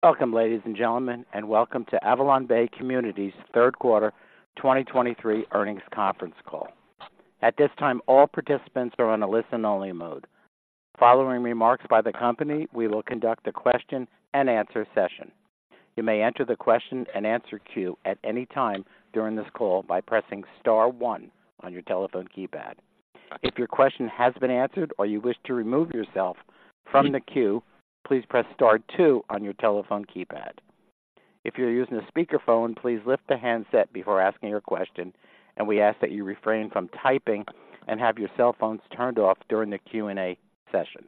Welcome, ladies and gentlemen, and welcome to AvalonBay Communities' third quarter 2023 earnings conference call. At this time, all participants are on a listen-only mode. Following remarks by the company, we will conduct a question-and-answer session. You may enter the question-and-answer queue at any time during this call by pressing star one on your telephone keypad. If your question has been answered or you wish to remove yourself from the queue, please press star two on your telephone keypad. If you're using a speakerphone, please lift the handset before asking your question, and we ask that you refrain from typing and have your cell phones turned off during the Q&A session.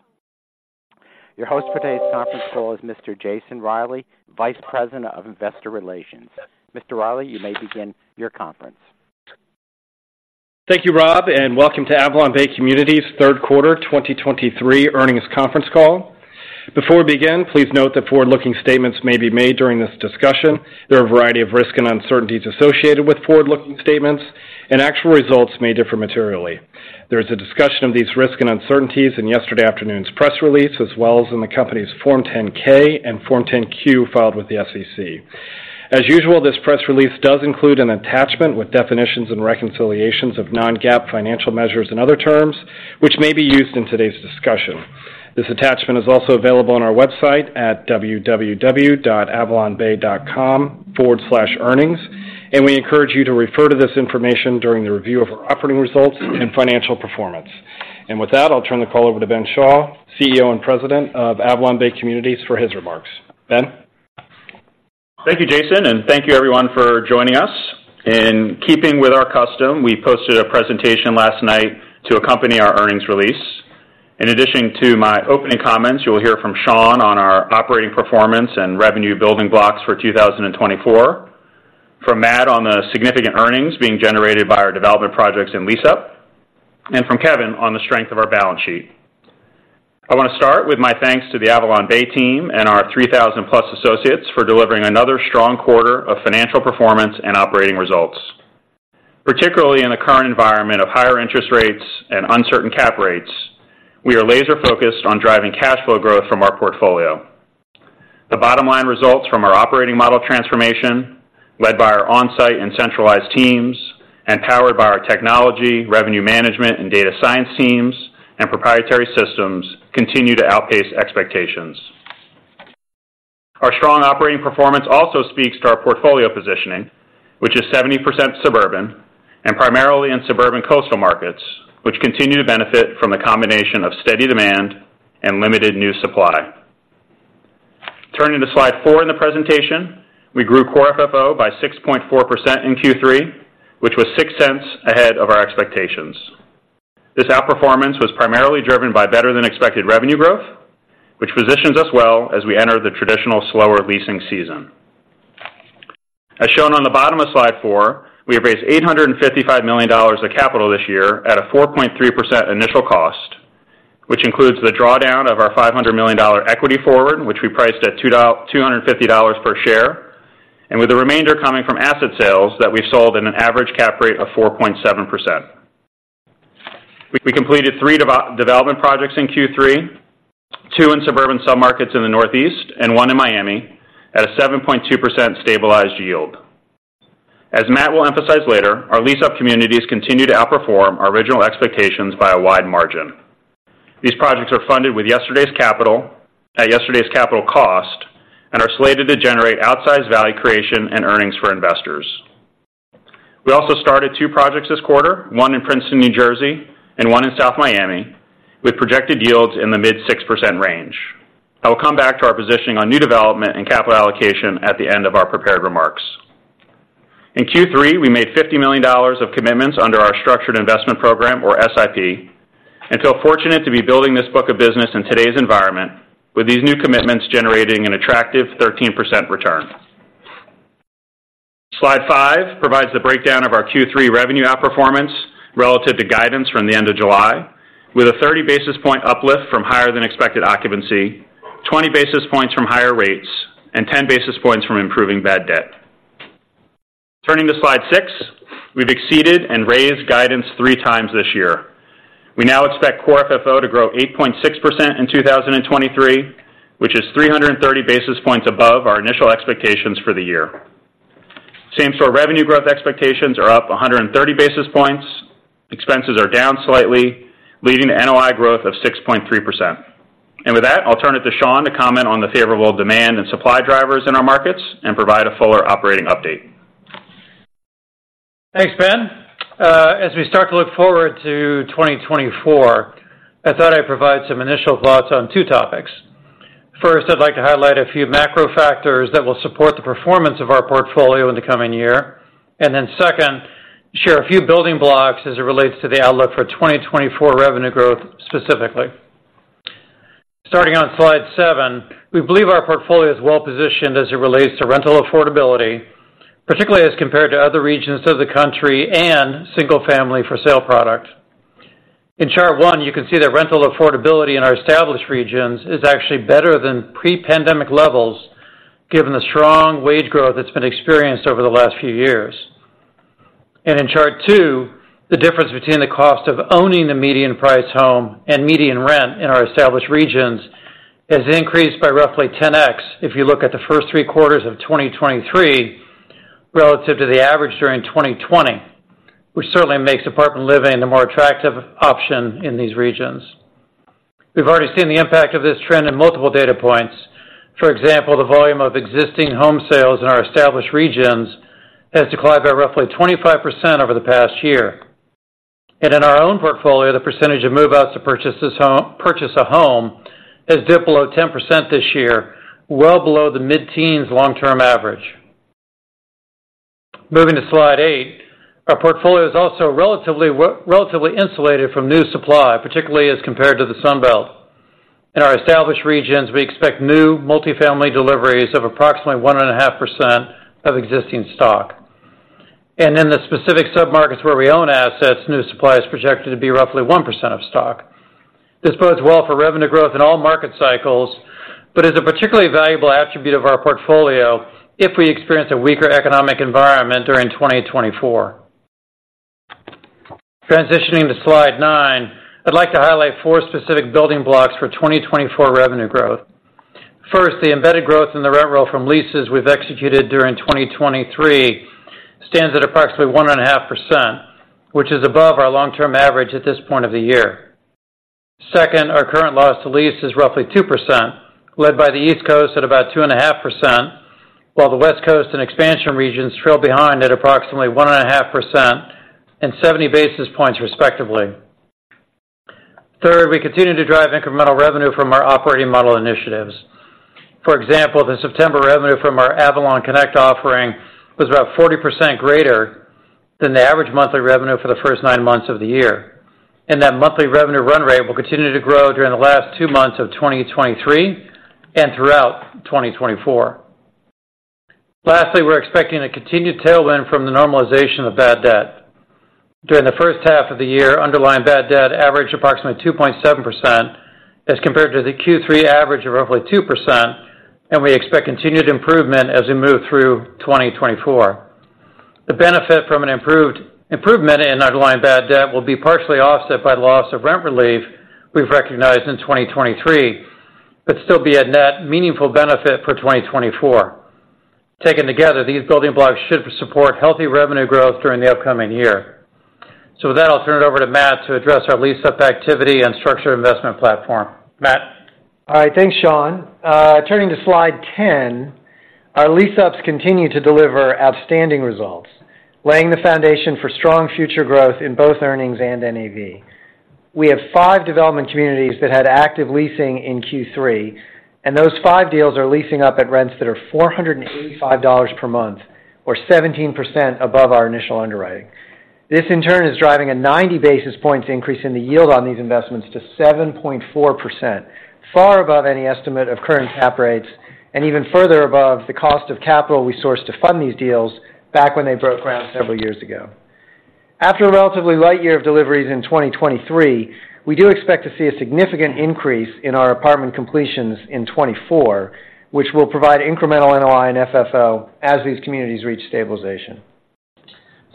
Your host for today's conference call is Mr. Jason Reilley, Vice President of Investor Relations. Mr. Reilley, you may begin your conference. Thank you, Rob, and welcome to AvalonBay Communities' third quarter 2023 earnings conference call. Before we begin, please note that forward-looking statements may be made during this discussion. There are a variety of risks and uncertainties associated with forward-looking statements, and actual results may differ materially. There is a discussion of these risks and uncertainties in yesterday afternoon's press release, as well as in the company's Form 10-K and Form 10-Q filed with the SEC. As usual, this press release does include an attachment with definitions and reconciliations of non-GAAP financial measures and other terms which may be used in today's discussion. This attachment is also available on our website at www.avalonbay.com/earnings, and we encourage you to refer to this information during the review of our operating results and financial performance. With that, I'll turn the call over to Ben Schall, CEO and President of AvalonBay Communities, for his remarks. Ben? Thank you, Jason, and thank you, everyone, for joining us. In keeping with our custom, we posted a presentation last night to accompany our earnings release. In addition to my opening comments, you will hear from Sean on our operating performance and revenue building blocks for 2024, from Matt on the significant earnings being generated by our development projects in lease-up, and from Kevin on the strength of our balance sheet. I want to start with my thanks to the AvalonBay team and our 3,000-plus associates for delivering another strong quarter of financial performance and operating results, particularly in the current environment of higher interest rates and uncertain cap rates. We are laser-focused on driving cash flow growth from our portfolio. The bottom line results from our operating model transformation, led by our on-site and centralized teams and powered by our technology, revenue management, and data science teams and proprietary systems, continue to outpace expectations. Our strong operating performance also speaks to our portfolio positioning, which is 70% suburban and primarily in suburban coastal markets, which continue to benefit from the combination of steady demand and limited new supply. Turning to slide 4 in the presentation, we grew Core FFO by 6.4% in Q3, which was $0.06 ahead of our expectations. This outperformance was primarily driven by better-than-expected revenue growth, which positions us well as we enter the traditional slower leasing season. As shown on the bottom of slide four, we have raised $855 million of capital this year at a 4.3% initial cost, which includes the drawdown of our $500 million equity forward, which we priced at $250 per share, and with the remainder coming from asset sales that we sold at an average cap rate of 4.7%. We completed three development projects in Q3, two in suburban submarkets in the Northeast and one in Miami, at a 7.2% stabilized yield. As Matt will emphasize later, our lease-up communities continue to outperform our original expectations by a wide margin. These projects are funded with yesterday's capital, at yesterday's capital cost, and are slated to generate outsized value creation and earnings for investors. We also started two projects this quarter, one in Princeton, New Jersey, and one in South Miami, with projected yields in the mid-6% range. I will come back to our positioning on new development and capital allocation at the end of our prepared remarks. In Q3, we made $50 million of commitments under our Structured Investment Program, or SIP, and feel fortunate to be building this book of business in today's environment, with these new commitments generating an attractive 13% return. Slide 5 provides the breakdown of our Q3 revenue outperformance relative to guidance from the end of July, with a thirty basis point uplift from higher-than-expected occupancy, twenty basis points from higher rates, and ten basis points from improving bad debt. Turning to slide six, we've exceeded and raised guidance three times this year. We now expect Core FFO to grow 8.6% in 2023, which is 330 basis points above our initial expectations for the year. Same-store revenue growth expectations are up 130 basis points. Expenses are down slightly, leading to NOI growth of 6.3%. With that, I'll turn it to Sean to comment on the favorable demand and supply drivers in our markets and provide a fuller operating update. Thanks, Ben. As we start to look forward to 2024, I thought I'd provide some initial thoughts on two topics. First, I'd like to highlight a few macro factors that will support the performance of our portfolio in the coming year, and then second, share a few building blocks as it relates to the outlook for 2024 revenue growth, specifically. Starting on slide 7, we believe our portfolio is well-positioned as it relates to rental affordability, particularly as compared to other regions of the country and single-family for sale product. In chart 1, you can see that rental affordability in our established regions is actually better than pre-pandemic levels, given the strong wage growth that's been experienced over the last few years.... In chart two, the difference between the cost of owning the median price home and median rent in our established regions has increased by roughly 10x if you look at the first three quarters of 2023 relative to the average during 2020, which certainly makes apartment living a more attractive option in these regions. We've already seen the impact of this trend in multiple data points. For example, the volume of existing home sales in our established regions has declined by roughly 25% over the past year. In our own portfolio, the percentage of move-outs to purchase a home has dipped below 10% this year, well below the mid-teens long-term average. Moving to slide eight. Our portfolio is also relatively, relatively insulated from new supply, particularly as compared to the Sun Belt. In our established regions, we expect new multifamily deliveries of approximately 1.5% of existing stock. In the specific submarkets where we own assets, new supply is projected to be roughly 1% of stock. This bodes well for revenue growth in all market cycles, but is a particularly valuable attribute of our portfolio if we experience a weaker economic environment during 2024. Transitioning to slide 9, I'd like to highlight 4 specific building blocks for 2024 revenue growth. First, the embedded growth in the rent roll from leases we've executed during 2023 stands at approximately 1.5%, which is above our long-term average at this point of the year. Second, our current loss-to-lease is roughly 2%, led by the East Coast at about 2.5%, while the West Coast and expansion regions trail behind at approximately 1.5% and 70 basis points, respectively. Third, we continue to drive incremental revenue from our operating model initiatives. For example, the September revenue from our AvalonConnect offering was about 40% greater than the average monthly revenue for the first nine months of the year. And that monthly revenue run rate will continue to grow during the last two months of 2023 and throughout 2024. Lastly, we're expecting a continued tailwind from the normalization of bad debt. During the first half of the year, underlying bad debt averaged approximately 2.7%, as compared to the Q3 average of roughly 2%, and we expect continued improvement as we move through 2024. The benefit from an improvement in underlying bad debt will be partially offset by loss of rent relief we've recognized in 2023, but still be a net meaningful benefit for 2024. Taken together, these building blocks should support healthy revenue growth during the upcoming year. So with that, I'll turn it over to Matt to address our lease-up activity and structured investment platform. Matt? All right, thanks, Sean. Turning to slide ten, our lease-ups continue to deliver outstanding results, laying the foundation for strong future growth in both earnings and NAV. We have five development communities that had active leasing in Q3, and those five deals are leasing up at rents that are $485 per month, or 17% above our initial underwriting. This, in turn, is driving a 90 basis points increase in the yield on these investments to 7.4%, far above any estimate of current cap rates and even further above the cost of capital we sourced to fund these deals back when they broke ground several years ago. After a relatively light year of deliveries in 2023, we do expect to see a significant increase in our apartment completions in 2024, which will provide incremental NOI and FFO as these communities reach stabilization.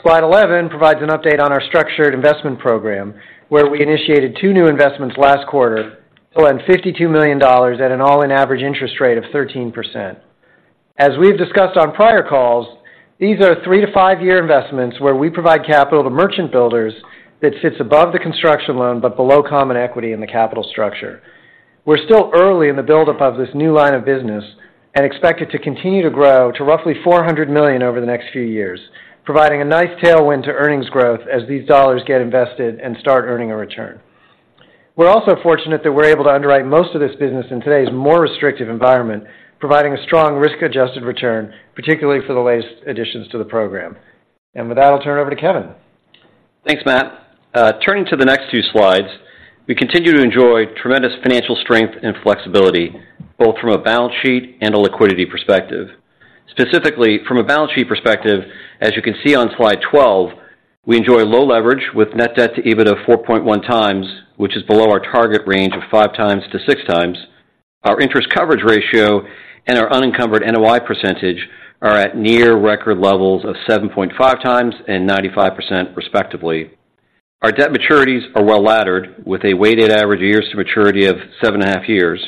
Slide 11 provides an update on our structured investment program, where we initiated 2 new investments last quarter to lend $52 million at an all-in average interest rate of 13%. As we've discussed on prior calls, these are 3- to 5-year investments where we provide capital to merchant builders that sits above the construction loan, but below common equity in the capital structure. We're still early in the buildup of this new line of business and expect it to continue to grow to roughly $400 million over the next few years, providing a nice tailwind to earnings growth as these dollars get invested and start earning a return. We're also fortunate that we're able to underwrite most of this business in today's more restrictive environment, providing a strong risk-adjusted return, particularly for the latest additions to the program. With that, I'll turn it over to Kevin. Thanks, Matt. Turning to the next two slides, we continue to enjoy tremendous financial strength and flexibility, both from a balance sheet and a liquidity perspective. Specifically, from a balance sheet perspective, as you can see on slide 12, we enjoy low leverage with net debt to EBITDA of 4.1 times, which is below our target range of 5 times to 6 times. Our interest coverage ratio and our unencumbered NOI percentage are at near record levels of 7.5 times and 95%, respectively. Our debt maturities are well-laddered, with a weighted average years to maturity of 7.5 years,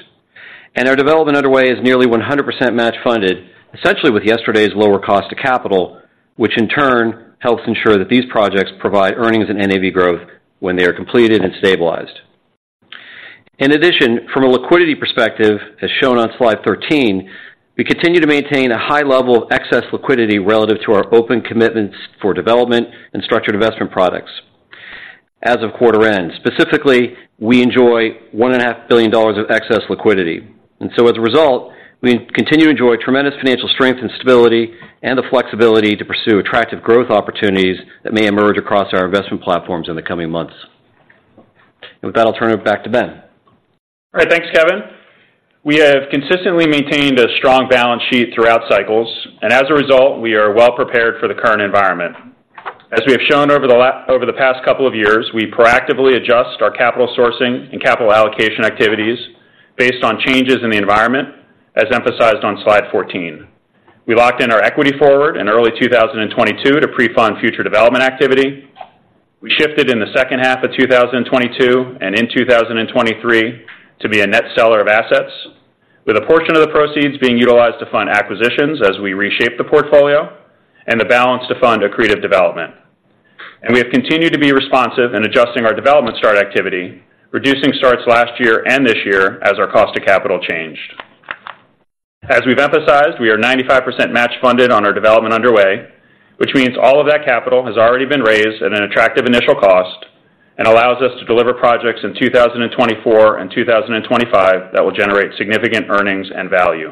and our development underway is nearly 100% match funded, essentially with yesterday's lower cost of capital, which in turn helps ensure that these projects provide earnings and NAV growth when they are completed and stabilized. In addition, from a liquidity perspective, as shown on slide 13, we continue to maintain a high level of excess liquidity relative to our open commitments for development and structured investment products as of quarter end. Specifically, we enjoy $1.5 billion of excess liquidity. And so as a result, we continue to enjoy tremendous financial strength and stability and the flexibility to pursue attractive growth opportunities that may emerge across our investment platforms in the coming months. And with that, I'll turn it back to Ben. All right. Thanks, Kevin. We have consistently maintained a strong balance sheet throughout cycles, and as a result, we are well prepared for the current environment. As we have shown over the past couple of years, we proactively adjust our capital sourcing and capital allocation activities... based on changes in the environment, as emphasized on slide 14. We locked in our equity forward in early 2022 to pre-fund future development activity. We shifted in the second half of 2022 and in 2023 to be a net seller of assets, with a portion of the proceeds being utilized to fund acquisitions as we reshape the portfolio and the balance to fund accretive development. We have continued to be responsive in adjusting our development start activity, reducing starts last year and this year as our cost of capital changed. As we've emphasized, we are 95% match funded on our development underway, which means all of that capital has already been raised at an attractive initial cost and allows us to deliver projects in 2024 and 2025 that will generate significant earnings and value.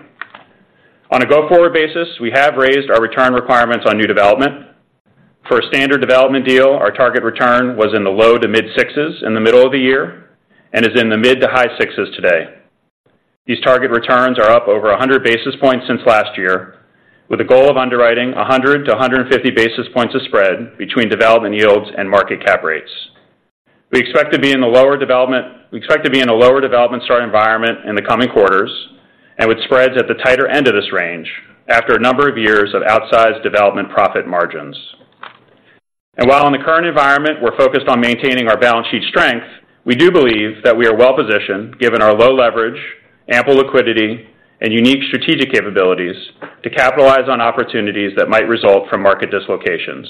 On a go-forward basis, we have raised our return requirements on new development. For a standard development deal, our target return was in the low to mid 6s in the middle of the year and is in the mid to high 6s today. These target returns are up over 100 basis points since last year, with a goal of underwriting 100-150 basis points of spread between development yields and market cap rates. We expect to be in a lower development start environment in the coming quarters and with spreads at the tighter end of this range after a number of years of outsized development profit margins. And while in the current environment, we're focused on maintaining our balance sheet strength, we do believe that we are well-positioned, given our low leverage, ample liquidity, and unique strategic capabilities to capitalize on opportunities that might result from market dislocations.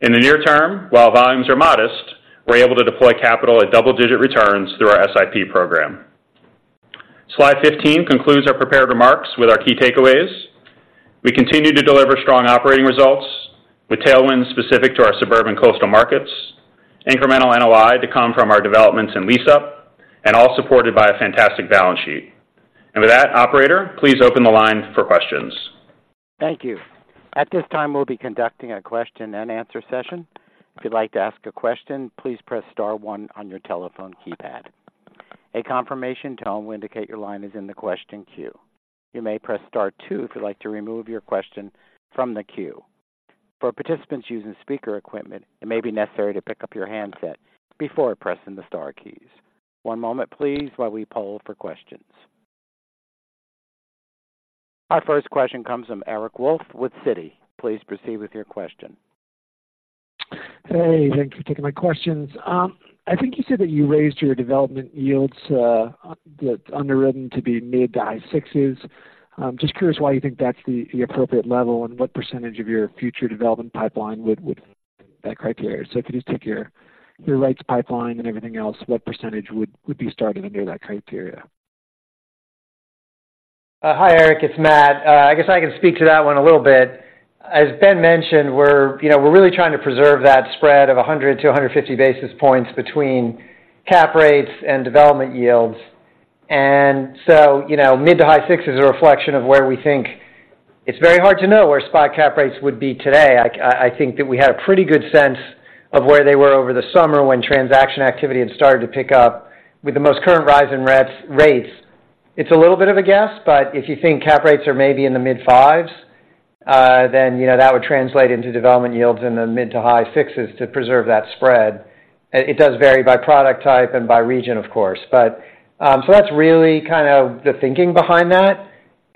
In the near term, while volumes are modest, we're able to deploy capital at double-digit returns through our SIP program. Slide 15 concludes our prepared remarks with our key takeaways. We continue to deliver strong operating results with tailwinds specific to our suburban coastal markets, incremental NOI to come from our developments in lease-up and all supported by a fantastic balance sheet. With that, operator, please open the line for questions. Thank you. At this time, we'll be conducting a question and answer session. If you'd like to ask a question, please press star one on your telephone keypad. A confirmation tone will indicate your line is in the question queue. You may press star two if you'd like to remove your question from the queue. For participants using speaker equipment, it may be necessary to pick up your handset before pressing the star keys. One moment please, while we poll for questions. Our first question comes from Eric Wolfe with Citi. Please proceed with your question. Hey, thank you for taking my questions. I think you said that you raised your development yields, that's underwritten to be mid to high sixes. Just curious why you think that's the appropriate level and what percentage of your future development pipeline would that criteria? If you just take your rights pipeline and everything else, what percentage would be starting to meet that criteria? Hi, Eric, it's Matt. I guess I can speak to that one a little bit. As Ben mentioned, we're, you know, we're really trying to preserve that spread of 100-150 basis points between cap rates and development yields. So, you know, mid to high six is a reflection of where we think... It's very hard to know where spot cap rates would be today. I think that we had a pretty good sense of where they were over the summer when transaction activity had started to pick up. With the most current rise in rates, it's a little bit of a guess, but if you think cap rates are maybe in the mid fives, then, you know, that would translate into development yields in the mid to high sixes to preserve that spread. It does vary by product type and by region, of course, but so that's really kind of the thinking behind that.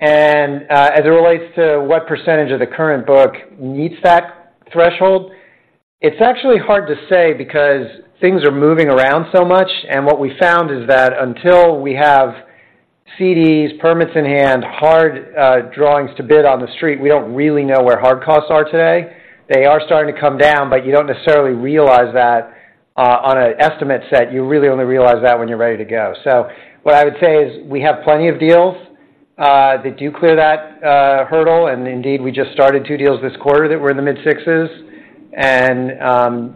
As it relates to what percentage of the current book meets that threshold, it's actually hard to say because things are moving around so much. What we found is that until we have CDs, permits in hand, hard drawings to bid on the street, we don't really know where hard costs are today. They are starting to come down, but you don't necessarily realize that on an estimate set. You really only realize that when you're ready to go. So what I would say is we have plenty of deals that do clear that hurdle, and indeed, we just started two deals this quarter that were in the mid sixes. And,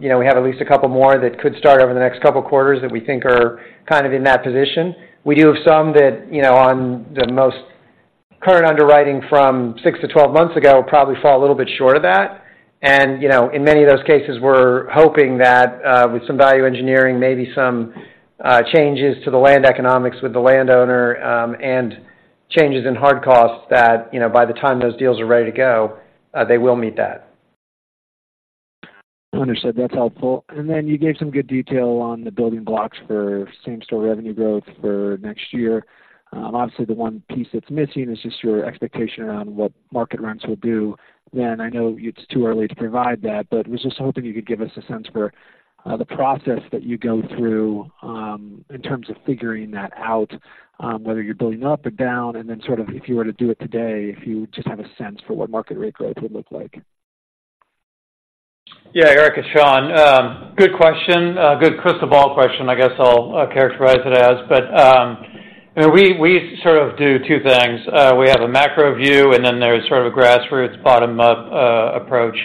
you know, we have at least a couple more that could start over the next couple of quarters that we think are kind of in that position. We do have some that, you know, on the most current underwriting from 6-12 months ago, probably fall a little bit short of that. And, you know, in many of those cases, we're hoping that, with some value engineering, maybe some, changes to the land economics with the landowner, and changes in hard costs, that, you know, by the time those deals are ready to go, they will meet that. Understood. That's helpful. And then you gave some good detail on the building blocks for same-store revenue growth for next year. Obviously, the one piece that's missing is just your expectation around what market rents will do. Then I know it's too early to provide that, but was just hoping you could give us a sense for the process that you go through in terms of figuring that out, whether you're building up or down, and then sort of if you were to do it today, if you just have a sense for what market rate growth would look like. Yeah, Eric, it's Sean. Good question. Good crystal ball question, I guess I'll characterize it as. We sort of do two things. We have a macro view, and then there's sort of a grassroots bottom-up approach.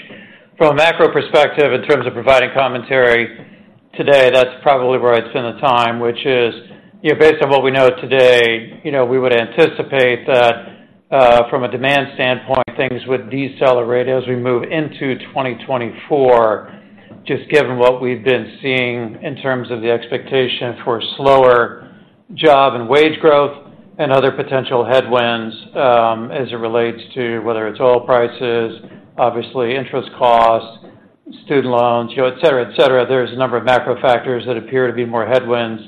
From a macro perspective, in terms of providing commentary today, that's probably where I'd spend the time, which is, you know, based on what we know today, you know, we would anticipate that, from a demand standpoint, things would decelerate as we move into 2024, just given what we've been seeing in terms of the expectation for slower job and wage growth and other potential headwinds, as it relates to whether it's oil prices, obviously, interest costs.... student loans, you know, et cetera, et cetera. There's a number of macro factors that appear to be more headwinds.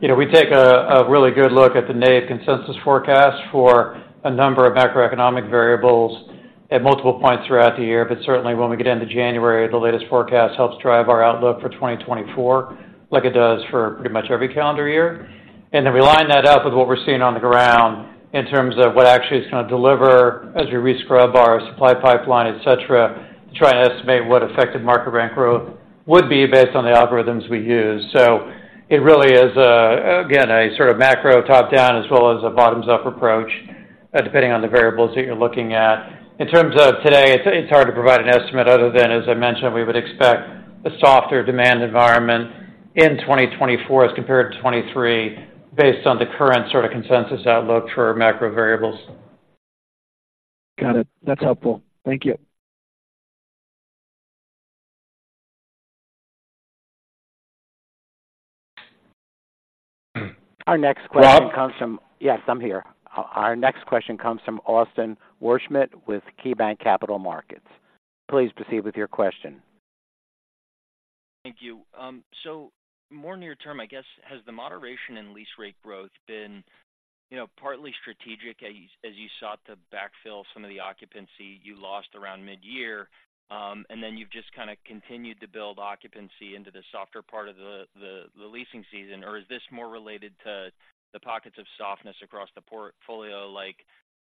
You know, we take a, a really good look at the NAREIT consensus forecast for a number of macroeconomic variables at multiple points throughout the year. But certainly, when we get into January, the latest forecast helps drive our outlook for 2024, like it does for pretty much every calendar year. And then we line that up with what we're seeing on the ground in terms of what actually is going to deliver as we rescrub our supply pipeline, et cetera, to try and estimate what effective market rent growth would be based on the algorithms we use. So it really is, again, a sort of macro top-down as well as a bottoms-up approach, depending on the variables that you're looking at. In terms of today, it's hard to provide an estimate other than, as I mentioned, we would expect a softer demand environment in 2024 as compared to 2023, based on the current sort of consensus outlook for macro variables. Got it. That's helpful. Thank you. Our next question comes from- Rob? Yes, I'm here. Our next question comes from Austin Wurschmidt with KeyBanc Capital Markets. Please proceed with your question. Thank you. So more near term, I guess, has the moderation in lease rate growth been, you know, partly strategic, as you, as you sought to backfill some of the occupancy you lost around midyear, and then u've just kind of continued to build occupancy into the softer part of the, the, the leasing season? Or is this more related to the pockets of softness across the portfolio, like,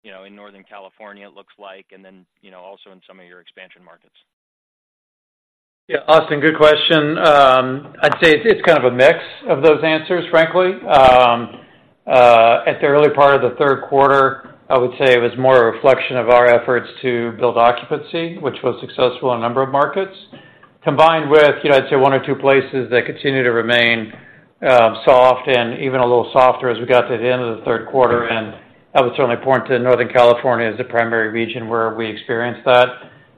you know, in Northern California, it looks like, and then, you know, also in some of your expansion markets? Yeah, Austin, good question. I'd say it's kind of a mix of those answers, frankly. At the early part of the third quarter, I would say it was more a reflection of our efforts to build occupancy, which was successful in a number of markets, combined with, you know, I'd say one or two places that continue to remain soft and even a little softer as we got to the end of the third quarter, and I would certainly point to Northern California as the primary region where we experienced that.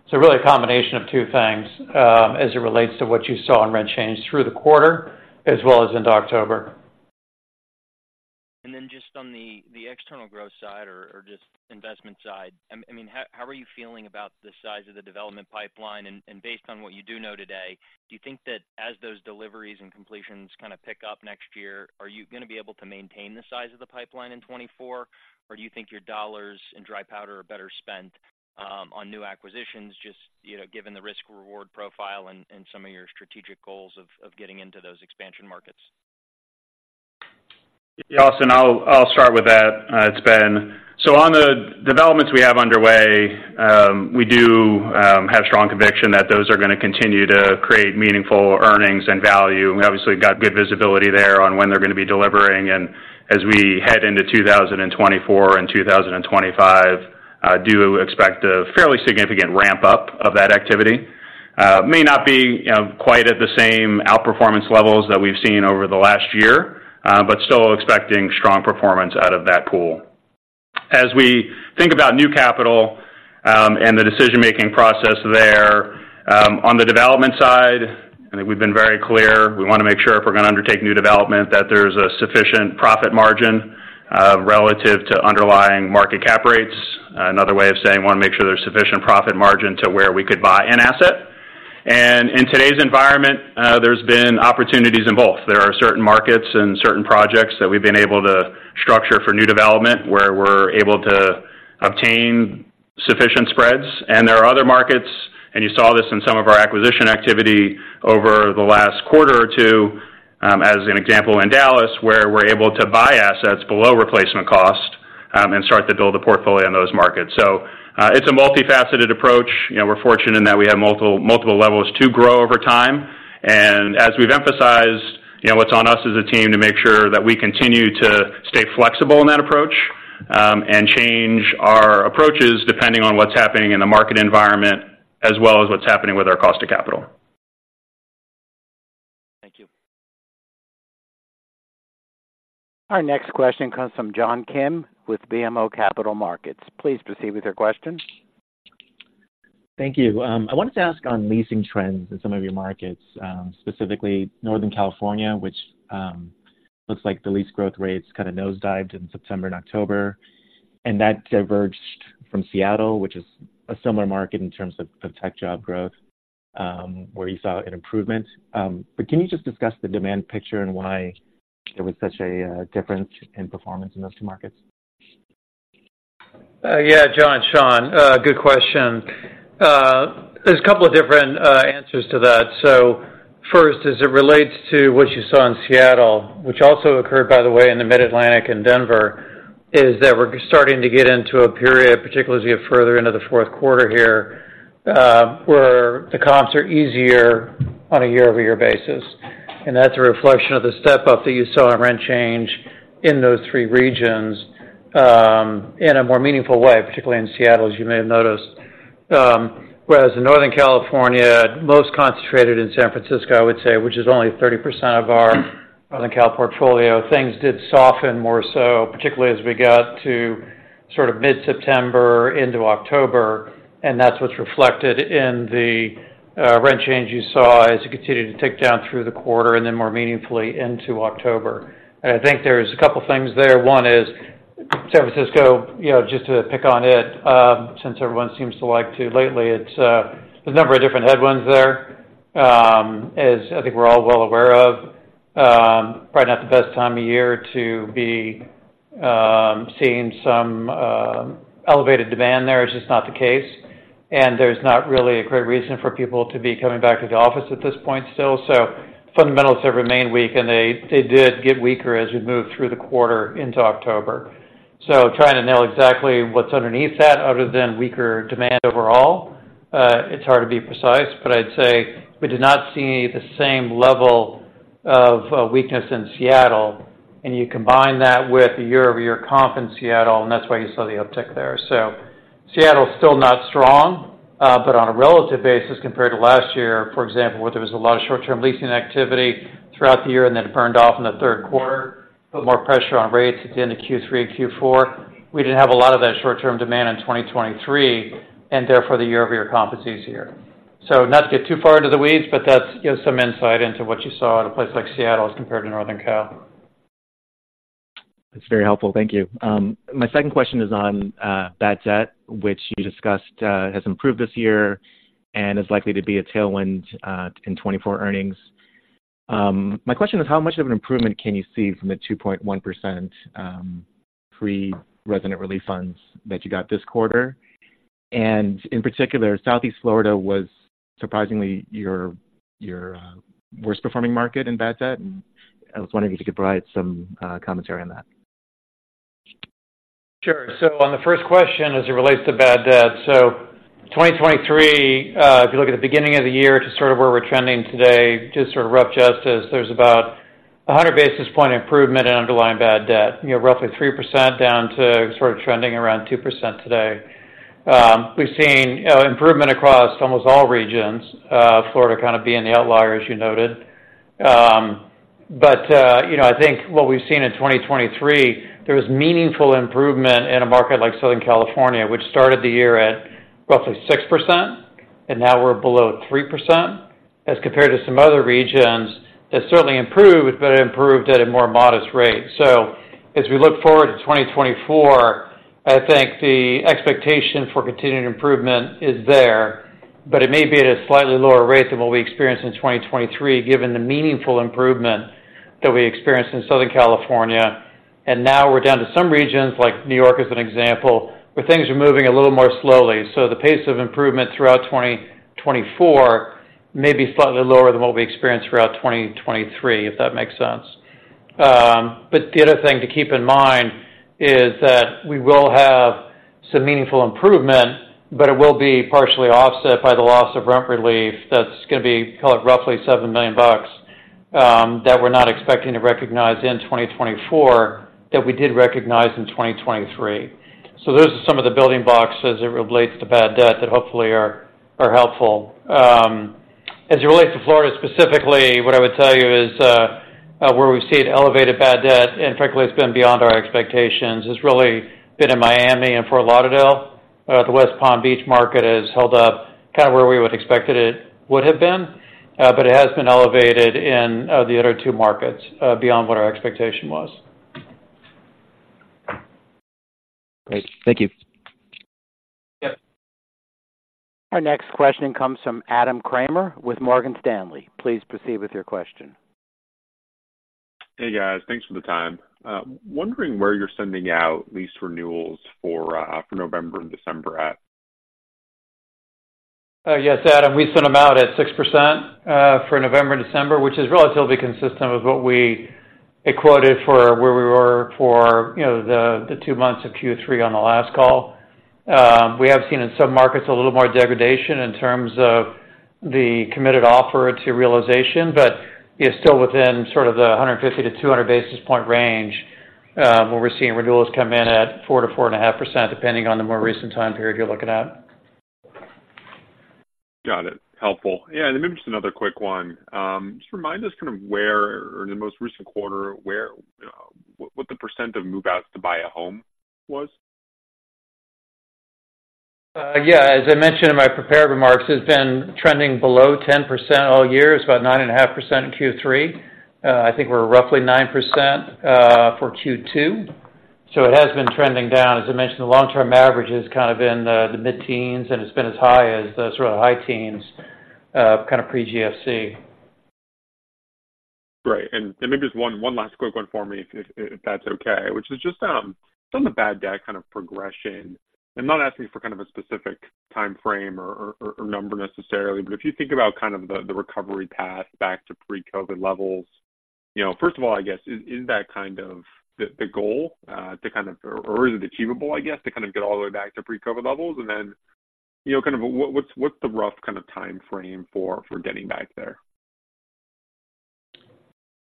So really a combination of two things, as it relates to what you saw in rent change through the quarter as well as into October. And then just on the external growth side or just investment side, I mean, how are you feeling about the size of the development pipeline? And based on what you do know today, do you think that as those deliveries and completions kind of pick up next year, are you going to be able to maintain the size of the pipeline in 2024? Or do you think your dollars in dry powder are better spent on new acquisitions, just, you know, given the risk-reward profile and some of your strategic goals of getting into those expansion markets? Austin, I'll start with that. It's Ben. On the developments we have underway, we do have strong conviction that those are going to continue to create meaningful earnings and value. We obviously got good visibility there on when they're going to be delivering, and as we head into 2024 and 2025, I do expect a fairly significant ramp-up of that activity. It may not be quite at the same outperformance levels that we've seen over the last year, but still expecting strong performance out of that pool. As we think about new capital, and the decision-making process there, on the development side, I think we've been very clear. We want to make sure if we're going to undertake new development, that there's a sufficient profit margin, relative to underlying market cap rates. Another way of saying, we want to make sure there's sufficient profit margin to where we could buy an asset. In today's environment, there's been opportunities in both. There are certain markets and certain projects that we've been able to structure for new development, where we're able to obtain sufficient spreads. There are other markets, and you saw this in some of our acquisition activity over the last quarter or two, as an example, in Dallas, where we're able to buy assets below replacement cost, and start to build a portfolio in those markets. It's a multifaceted approach. You know, we're fortunate in that we have multiple, multiple levels to grow over time. As we've emphasized, you know, what's on us as a team to make sure that we continue to stay flexible in that approach, and change our approaches depending on what's happening in the market environment, as well as what's happening with our cost of capital. Thank you. Our next question comes from John Kim with BMO Capital Markets. Please proceed with your question. Thank you. I wanted to ask on leasing trends in some of your markets, specifically Northern California, which looks like the lease growth rates kind of nosedived in September and October, and that diverged from Seattle, which is a similar market in terms of tech job growth, where you saw an improvement. But can you just discuss the demand picture and why there was such a difference in performance in those two markets? Yeah, John, Sean, good question. There's a couple of different answers to that. So first, as it relates to what you saw in Seattle, which also occurred, by the way, in the Mid-Atlantic and Denver, is that we're starting to get into a period, particularly as we get further into the fourth quarter here, where the comps are easier on a year-over-year basis. And that's a reflection of the step up that you saw in rent change in those three regions, in a more meaningful way, particularly in Seattle, as you may have noticed. Whereas in Northern California, most concentrated in San Francisco, I would say, which is only 30% of our Northern Cal portfolio, things did soften more so, particularly as we got to sort of mid-September into October, and that's what's reflected in the rent change you saw as you continued to tick down through the quarter, and then more meaningfully into October. And I think there's a couple of things there. One is San Francisco, you know, just to pick on it, since everyone seems to like to lately, it's, there's a number of different headwinds there. As I think we're all well aware of, probably not the best time of year to be seeing some elevated demand there. It's just not the case, and there's not really a great reason for people to be coming back to the office at this point still. So fundamentals have remained weak, and they, they did get weaker as we moved through the quarter into October. So trying to nail exactly what's underneath that, other than weaker demand overall, it's hard to be precise, but I'd say we did not see the same level of weakness in Seattle, and you combine that with the year-over-year comp in Seattle, and that's why you saw the uptick there. So Seattle is still not strong, but on a relative basis, compared to last year, for example, where there was a lot of short-term leasing activity throughout the year, and then it burned off in the third quarter, put more pressure on rates at the end of Q3 and Q4. We didn't have a lot of that short-term demand in 2023, and therefore, the year-over-year comp is easier. So not to get too far into the weeds, but that's, you know, some insight into what you saw in a place like Seattle as compared to Northern Cal. That's very helpful. Thank you. My second question is on bad debt, which you discussed has improved this year and is likely to be a tailwind in 2024 earnings. My question is, how much of an improvement can you see from the 2.1% pre-resident relief funds that you got this quarter? In particular, Southeast Florida was surprisingly your worst-performing market in bad debt, and I was wondering if you could provide some commentary on that. Sure. On the first question, as it relates to bad debt, 2023, if you look at the beginning of the year to sort of where we're trending today, just to sort of rough justice, there's about a 100 basis point improvement in underlying bad debt, you know, roughly 3% down to sort of trending around 2% today. We've seen improvement across almost all regions, Florida kind of being the outlier, as you noted. You know, I think what we've seen in 2023, there was meaningful improvement in a market like Southern California, which started the year at roughly 6%, and now we're below 3%, as compared to some other regions that certainly improved, but improved at a more modest rate. So as we look forward to 2024, I think the expectation for continued improvement is there, but it may be at a slightly lower rate than what we experienced in 2023, given the meaningful improvement that we experienced in Southern California. And now we're down to some regions, like New York as an example, where things are moving a little more slowly. So the pace of improvement throughout 2024 may be slightly lower than what we experienced throughout 2023, if that makes sense. But the other thing to keep in mind is that we will have some meaningful improvement, but it will be partially offset by the loss of rent relief. That's gonna be, call it, roughly $7 million, that we're not expecting to recognize in 2024, that we did recognize in 2023. So those are some of the building blocks as it relates to bad debt that hopefully are, are helpful. As it relates to Florida, specifically, what I would tell you is, where we've seen elevated bad debt, and frankly, it's been beyond our expectations. It's really been in Miami and Fort Lauderdale. The West Palm Beach market has held up kind of where we would expected it would have been, but it has been elevated in the other two markets, beyond what our expectation was. Great. Thank you. Yeah. Our next question comes from Adam Kramer with Morgan Stanley. Please proceed with your question. Hey, guys. Thanks for the time. Wondering where you're sending out lease renewals for November and December at? Yes, Adam, we sent them out at 6% for November and December, which is relatively consistent with what we equated for where we were for, you know, the, the two months of Q3 on the last call. We have seen in some markets a little more degradation in terms of the committed offer to realization, but it's still within sort of the 150-200 basis point range, where we're seeing renewals come in at 4%-4.5%, depending on the more recent time period you're looking at. Got it. Helpful. Yeah, and maybe just another quick one. Just remind us kind of where or in the most recent quarter what the % of move outs to buy a home was? Yeah, as I mentioned in my prepared remarks, it's been trending below 10% all year. It's about 9.5% in Q3. I think we're roughly 9% for Q2, so it has been trending down. As I mentioned, the long-term average has kind of been the mid-teens, and it's been as high as the sort of high teens, kind of pre-GFC. Great. Maybe just one last quick one for me, if that's okay, which is just on the bad debt kind of progression. I'm not asking for kind of a specific timeframe or number necessarily, but if you think about kind of the recovery path back to pre-COVID levels, you know, first of all, I guess, is that kind of the goal, to kind of-- or is it achievable, I guess, to kind of get all the way back to pre-COVID levels? And then, you know, kind of what, what's the rough kind of timeframe for getting back there?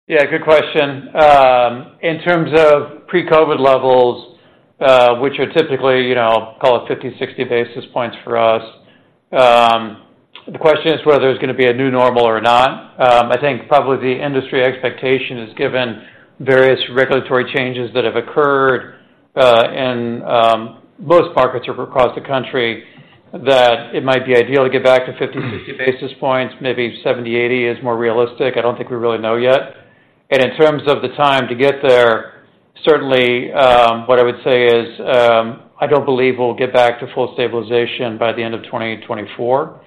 Yeah, good question. In terms of pre-COVID levels, which are typically, you know, call it 50, 60 basis points for us, the question is whether there's gonna be a new normal or not. I think probably the industry expectation is given various regulatory changes that have occurred, in most markets across the country.... that it might be ideal to get back to 50-50 basis points, maybe 70-80 is more realistic. I don't think we really know yet. And in terms of the time to get there, certainly, what I would say is, I don't believe we'll get back to full stabilization by the end of 2024.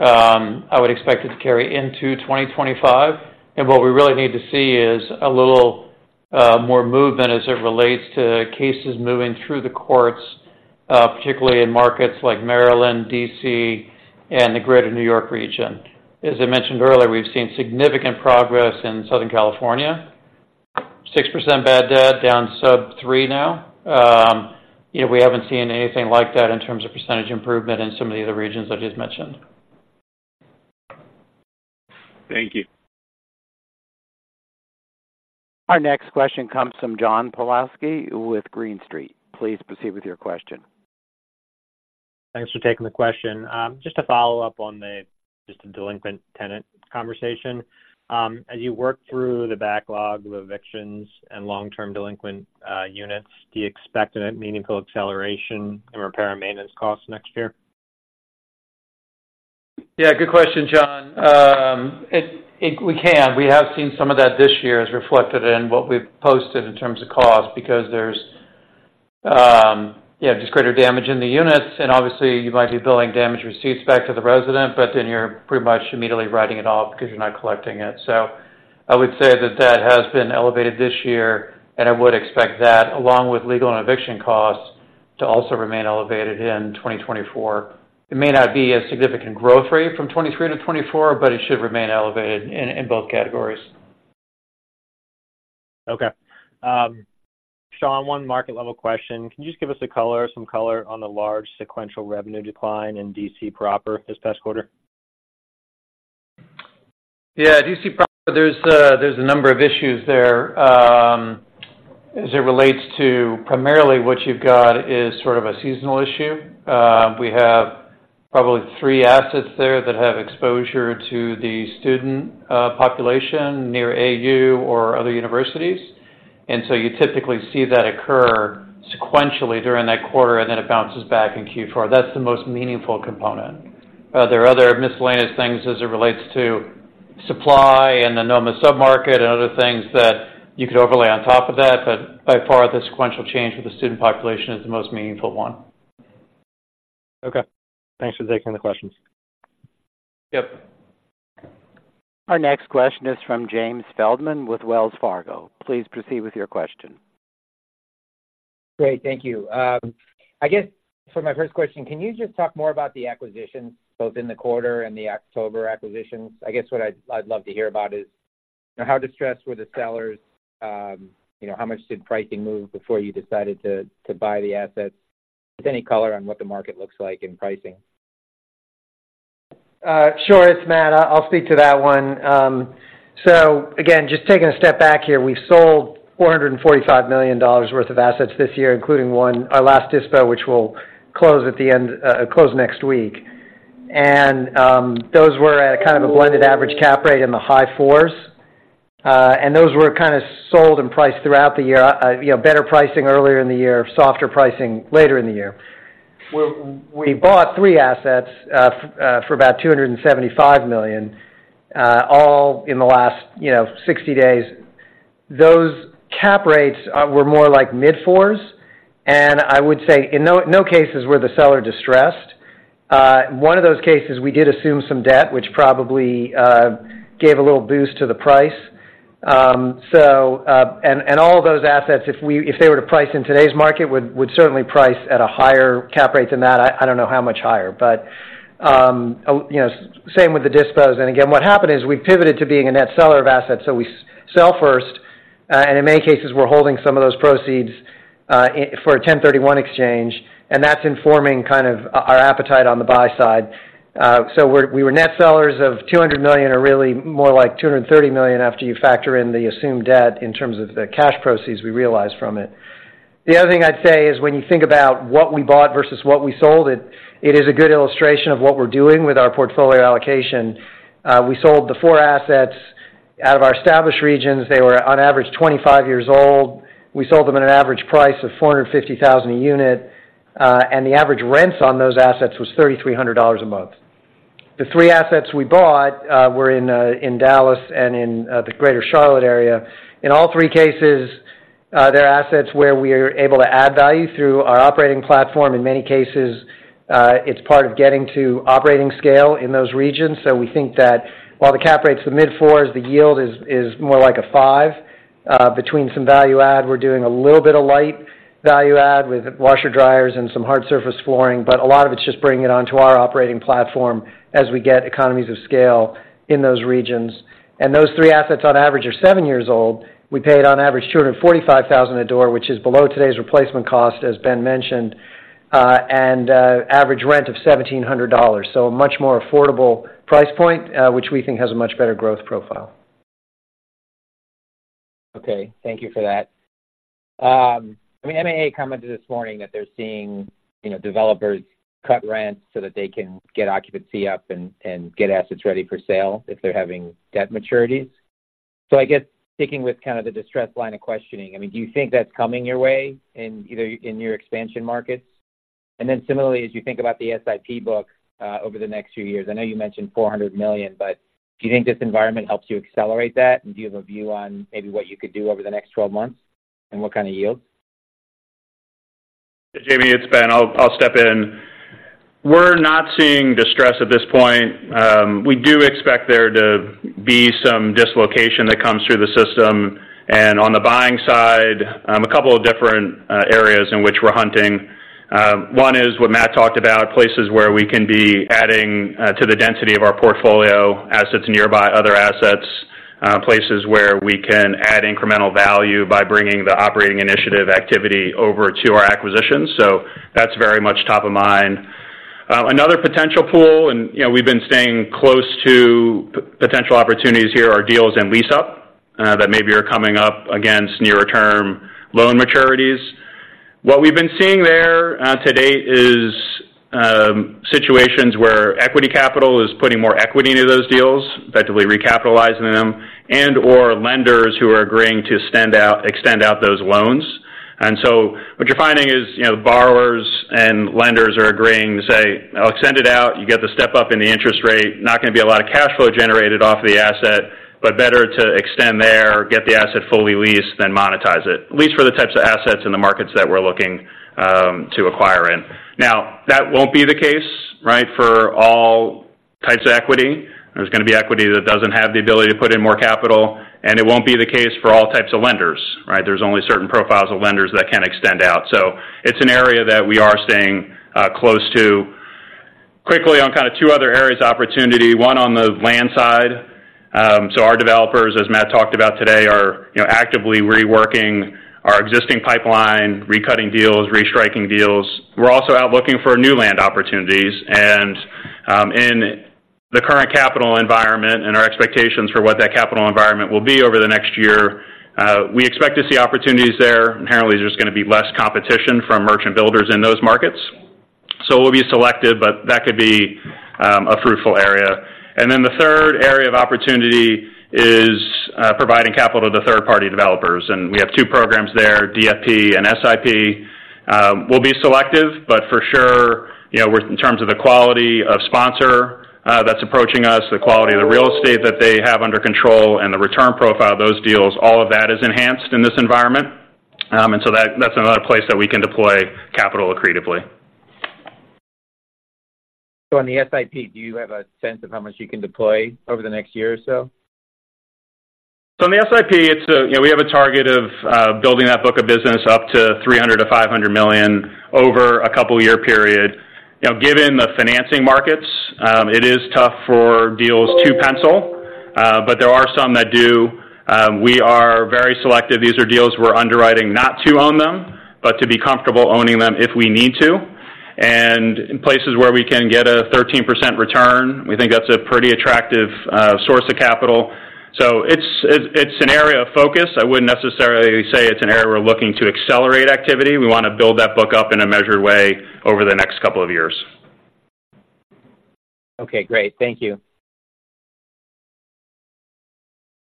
I would expect it to carry into 2025. And what we really need to see is a little more movement as it relates to cases moving through the courts, particularly in markets like Maryland, D.C., and the Greater New York region. As I mentioned earlier, we've seen significant progress in Southern California. 6% bad debt, down to sub-3 now. We haven't seen anything like that in terms of percentage improvement in some of the other regions I just mentioned. Thank you. Our next question comes from John Pawlowski with Green Street. Please proceed with your question. Thanks for taking the question. Just to follow up on just the delinquent tenant conversation. As you work through the backlog of evictions and long-term delinquent units, do you expect a meaningful acceleration in repair and maintenance costs next year? Yeah, good question, John. We can. We have seen some of that this year is reflected in what we've posted in terms of cost, because there's just greater damage in the units. And obviously, you might be billing damage receipts back to the resident, but then you're pretty much immediately writing it off because you're not collecting it. So I would say that that has been elevated this year, and I would expect that, along with legal and eviction costs, to also remain elevated in 2024. It may not be a significant growth rate from 2023 to 2024, but it should remain elevated in both categories. Okay. Sean, one market-level question. Can you just give us a color, some color on the large sequential revenue decline in D.C. proper this past quarter? Yeah, D.C. proper, there's a number of issues there, as it relates to primarily what you've got is sort of a seasonal issue. We have probably three assets there that have exposure to the student population near AU or other universities. And so you typically see that occur sequentially during that quarter, and then it bounces back in Q4. That's the most meaningful component. There are other miscellaneous things as it relates to supply and the NoMa submarket and other things that you could overlay on top of that, but by far, the sequential change with the student population is the most meaningful one. Okay, thanks for taking the questions. Yep. Our next question is from James Feldman with Wells Fargo. Please proceed with your question. Great, thank you. I guess for my first question, can you just talk more about the acquisitions, both in the quarter and the October acquisitions? I guess what I'd, I'd love to hear about is, how distressed were the sellers, how much did pricing move before you decided to, to buy the assets? Just any color on what the market looks like in pricing. Sure. It's Matt, I'll speak to that one. So again, just taking a step back here, we sold $445 million worth of assets this year, including one, our last dispo, which will close at the end, close next week. Those were at a kind of a blended average cap rate in the high fours, and those were kind of sold and priced throughout the year. You know, better pricing earlier in the year, softer pricing later in the year. We bought three assets for about $275 million, all in the last, you know, 60 days. Those cap rates were more like mid-fours, and I would say in no, no cases were the seller distressed. One of those cases, we did assume some debt, which probably gave a little boost to the price. So, and all of those assets, if they were to price in today's market, would certainly price at a higher cap rate than that. I don't know how much higher, but you know, same with the dispos. Again, what happened is we pivoted to being a net seller of assets, so we sell first, and in many cases, we're holding some of those proceeds for a 1031 exchange, and that's informing kind of our appetite on the buy side. So we were net sellers of $200 million, or really more like $230 million, after you factor in the assumed debt in terms of the cash proceeds we realized from it. The other thing I'd say is, when you think about what we bought versus what we sold, it is a good illustration of what we're doing with our portfolio allocation. We sold the four assets out of our established regions. They were on average, 25 years old. We sold them at an average price of $450,000 a unit, and the average rents on those assets was $3,300 a month. The three assets we bought were in Dallas and in the Greater Charlotte area. In all three cases, there are assets where we are able to add value through our operating platform. In many cases, it's part of getting to operating scale in those regions. We think that while the cap rates are mid-4s, the yield is more like a 5. Between some value add, we're doing a little bit of light value add with washer, dryers, and some hard surface flooring, but a lot of it's just bringing it on to our operating platform as we get economies of scale in those regions. And those three assets, on average, are seven years old. We paid on average $245,000 a door, which is below today's replacement cost, as Ben mentioned, and average rent of $1,700. So a much more affordable price point, which we think has a much better growth profile. Okay, thank you for that. I mean, MAA commented this morning that they're seeing, you know, developers cut rents so that they can get occupancy up and, and get assets ready for sale if they're having debt maturities. So I guess sticking with kind of the distressed line of questioning, I mean, do you think that's coming your way in either, in your expansion markets? And then similarly, as you think about the SIP book, over the next few years, I know you mentioned $400 million, but do you think this environment helps you accelerate that? And do you have a view on maybe what you could do over the next 12 months and what kind of yields? Jamie, it's Ben. I'll step in. We're not seeing distress at this point. We do expect there to be some dislocation that comes through the system. And on the buying side, a couple of different areas in which we're hunting. One is what Matt talked about, places where we can be adding to the density of our portfolio, assets nearby other assets, places where we can add incremental value by bringing the operating initiative activity over to our acquisitions. So that's very much top of mind. Another potential pool, and, you know, we've been staying close to potential opportunities here, are deals in lease-up that maybe are coming up against nearer-term loan maturities. What we've been seeing there to date is situations where equity capital is putting more equity into those deals, effectively recapitalizing them, and/or lenders who are agreeing to extend out those loans. And so what you're finding is, you know, borrowers and lenders are agreeing to say, "I'll extend it out." You get the step up in the interest rate, not going to be a lot of cash flow generated off the asset, but better to extend there, get the asset fully leased, then monetize it, at least for the types of assets in the markets that we're looking to acquire in. Now, that won't be the case, right, for all types of equity. There's going to be equity that doesn't have the ability to put in more capital, and it won't be the case for all types of lenders, right? There's only certain profiles of lenders that can extend out. So it's an area that we are staying close to. Quickly on kind of two other areas of opportunity, one on the land side. So our developers, as Matt talked about today, are, you know, actively reworking our existing pipeline, recutting deals, restriking deals. We're also out looking for new land opportunities, and in the current capital environment and our expectations for what that capital environment will be over the next year, we expect to see opportunities there. Apparently, there's going to be less competition from merchant builders in those markets. So we'll be selective, but that could be a fruitful area. And then the third area of opportunity is providing capital to the third-party developers, and we have two programs there, DSP and SIP. We'll be selective, but for sure, you know, we're in terms of the quality of sponsor that's approaching us, the quality of the real estate that they have under control, and the return profile of those deals, all of that is enhanced in this environment. And so that's another place that we can deploy capital accretively. So on the SIP, do you have a sense of how much you can deploy over the next year or so? So on the SIP, it's a, you know, we have a target of building that book of business up to $300 million-$500 million over a couple-year period. You know, given the financing markets, it is tough for deals to pencil, but there are some that do. We are very selective. These are deals we're underwriting not to own them, but to be comfortable owning them if we need to. And in places where we can get a 13% return, we think that's a pretty attractive source of capital. So it's an area of focus. I wouldn't necessarily say it's an area we're looking to accelerate activity. We want to build that book up in a measured way over the next couple of years. Okay, great. Thank you.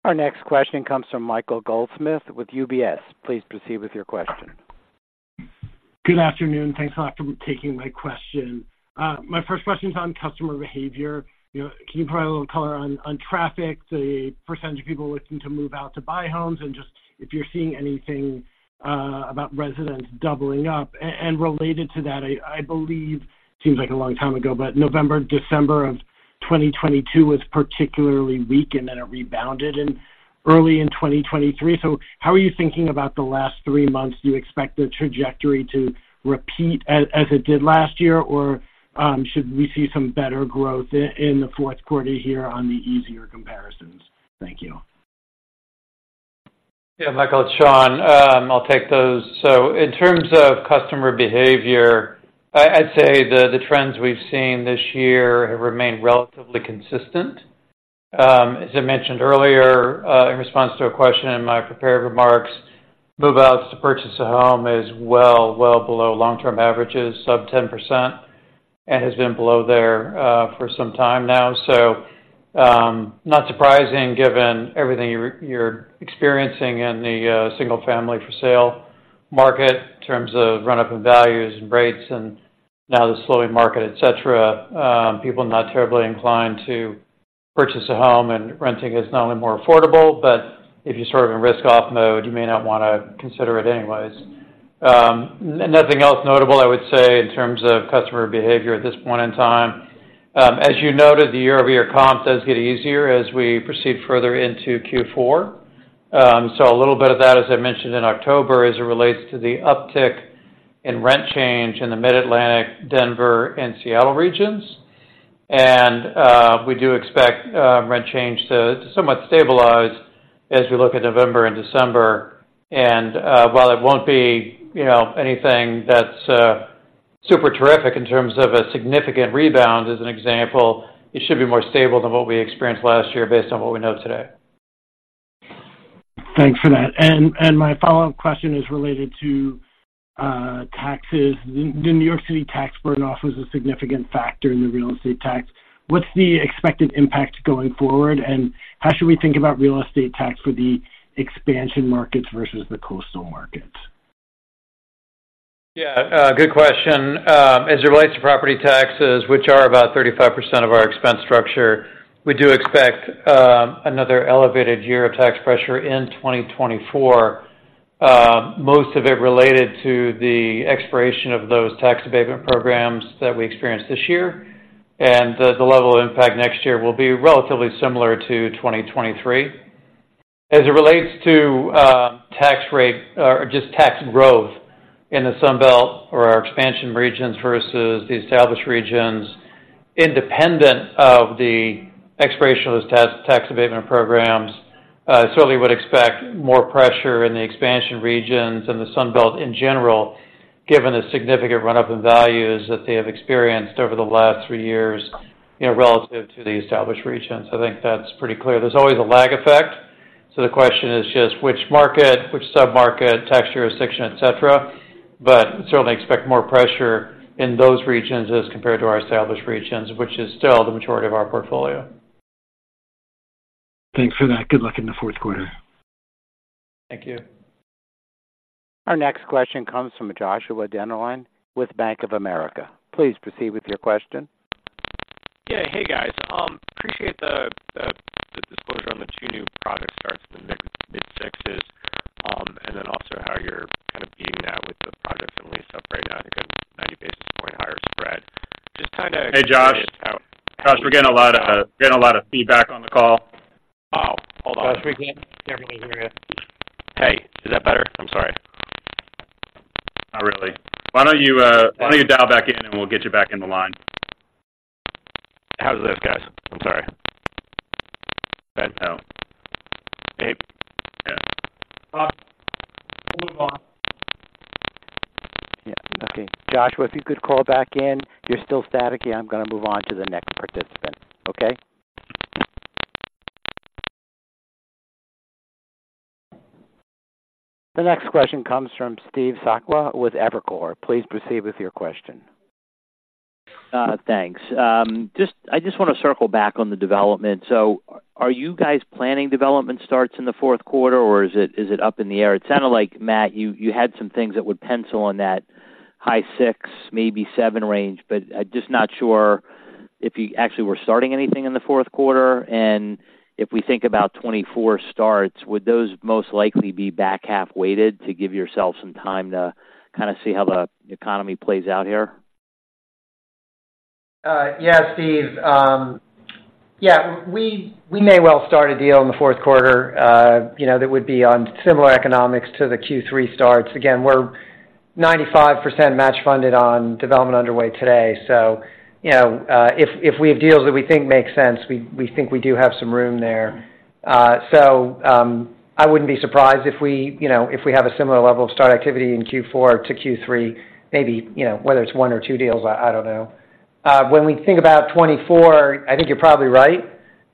Our next question comes from Michael Goldsmith with UBS. Please proceed with your question. Good afternoon. Thanks a lot for taking my question. My first question is on customer behavior. You know, can you provide a little color on, on traffic, the percentage of people looking to move out to buy homes, and just if you're seeing anything about residents doubling up? And related to that, I believe, seems like a long time ago, but November, December of 2022 was particularly weak, and then it rebounded in early 2023. So how are you thinking about the last three months? Do you expect the trajectory to repeat as it did last year, or should we see some better growth in the fourth quarter here on the easier comparisons? Thank you. Yeah, Michael, it's Sean. I'll take those. So in terms of customer behavior, I'd say the trends we've seen this year have remained relatively consistent. As I mentioned earlier, in response to a question in my prepared remarks, move-outs to purchase a home is well below long-term averages, sub 10%, and has been below there for some time now. So, not surprising given everything you're experiencing in the single-family for sale market in terms of run-up in values and rates and now the slowing market, et cetera. People are not terribly inclined to purchase a home, and renting is not only more affordable, but if you're sort of in risk-off mode, you may not want to consider it anyways. Nothing else notable, I would say, in terms of customer behavior at this point in time. As you noted, the year-over-year comp does get easier as we proceed further into Q4. So a little bit of that, as I mentioned in October, as it relates to the uptick in rent change in the Mid-Atlantic, Denver, and Seattle regions. We do expect rent change to somewhat stabilize as we look at November and December. While it won't be, you know, anything that's super terrific in terms of a significant rebound, as an example, it should be more stable than what we experienced last year based on what we know today.... Thanks for that. And my follow-up question is related to taxes. The New York City tax burn-off was a significant factor in the real estate tax. What's the expected impact going forward, and how should we think about real estate tax for the expansion markets versus the coastal markets? Yeah, good question. As it relates to property taxes, which are about 35% of our expense structure, we do expect another elevated year of tax pressure in 2024. Most of it related to the expiration of those tax abatement programs that we experienced this year, and the level of impact next year will be relatively similar to 2023. As it relates to tax rate or just tax growth in the Sun Belt or our expansion regions versus the established regions, independent of the expiration of those tax abatement programs, certainly would expect more pressure in the expansion regions and the Sun Belt in general, given the significant run-up in values that they have experienced over the last three years, you know, relative to the established regions. I think that's pretty clear. There's always a lag effect, so the question is just which market, which submarket, tax jurisdiction, et cetera. But certainly expect more pressure in those regions as compared to our established regions, which is still the majority of our portfolio. Thanks for that. Good luck in the fourth quarter. Thank you. Our next question comes from Joshua Dennerlein with Bank of America. Please proceed with your question. Yeah. Hey, guys. Appreciate the disclosure on the two new product starts in the mid-6s. And then also how you're kind of beating that with the products and lease up right now, I think, a 90 basis point higher spread. Just kind of- Hey, Josh. Josh, we're getting a lot of feedback on the call. Wow! Hold on. Josh, we can't hear you. Hey, is that better? I'm sorry. Not really. Why don't you, why don't you dial back in, and we'll get you back in the line. How's this, guys? I'm sorry. Let me know. Hey. Yes. Yeah. Okay. Joshua, if you could call back in. You're still staticky. I'm going to move on to the next participant, okay? The next question comes from Steve Sakwa with Evercore. Please proceed with your question. Thanks. I just want to circle back on the development. So are you guys planning development starts in the fourth quarter, or is it up in the air? It sounded like, Matt, you had some things that would pencil on that high 6, maybe 7 range, but I'm just not sure if you actually were starting anything in the fourth quarter. And if we think about 2024 starts, would those most likely be back-half weighted to give yourself some time to kind of see how the economy plays out here? Yeah, Steve. Yeah, we may well start a deal in the fourth quarter, you know, that would be on similar economics to the Q3 starts. Again, we're 95% match funded on development underway today. So, you know, if we have deals that we think make sense, we think we do have some room there. So, I wouldn't be surprised if we, you know, if we have a similar level of start activity in Q4 to Q3, maybe, you know, whether it's one or two deals, I don't know. When we think about 2024, I think you're probably right.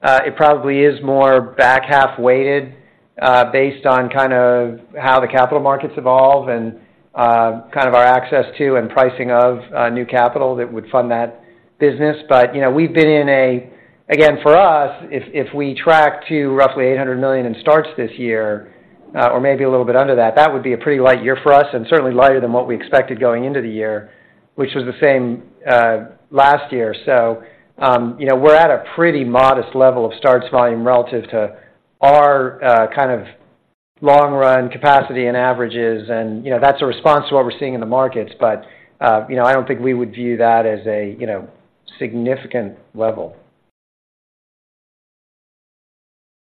It probably is more back-half weighted, based on kind of how the capital markets evolve and kind of our access to and pricing of new capital that would fund that business. You know, we've been in a... Again, for us, if we track to roughly $800 million in starts this year, or maybe a little bit under that, that would be a pretty light year for us, and certainly lighter than what we expected going into the year, which was the same last year. You know, we're at a pretty modest level of starts volume relative to our kind of long-run capacity and averages, and, you know, that's a response to what we're seeing in the markets. You know, I don't think we would view that as a significant level.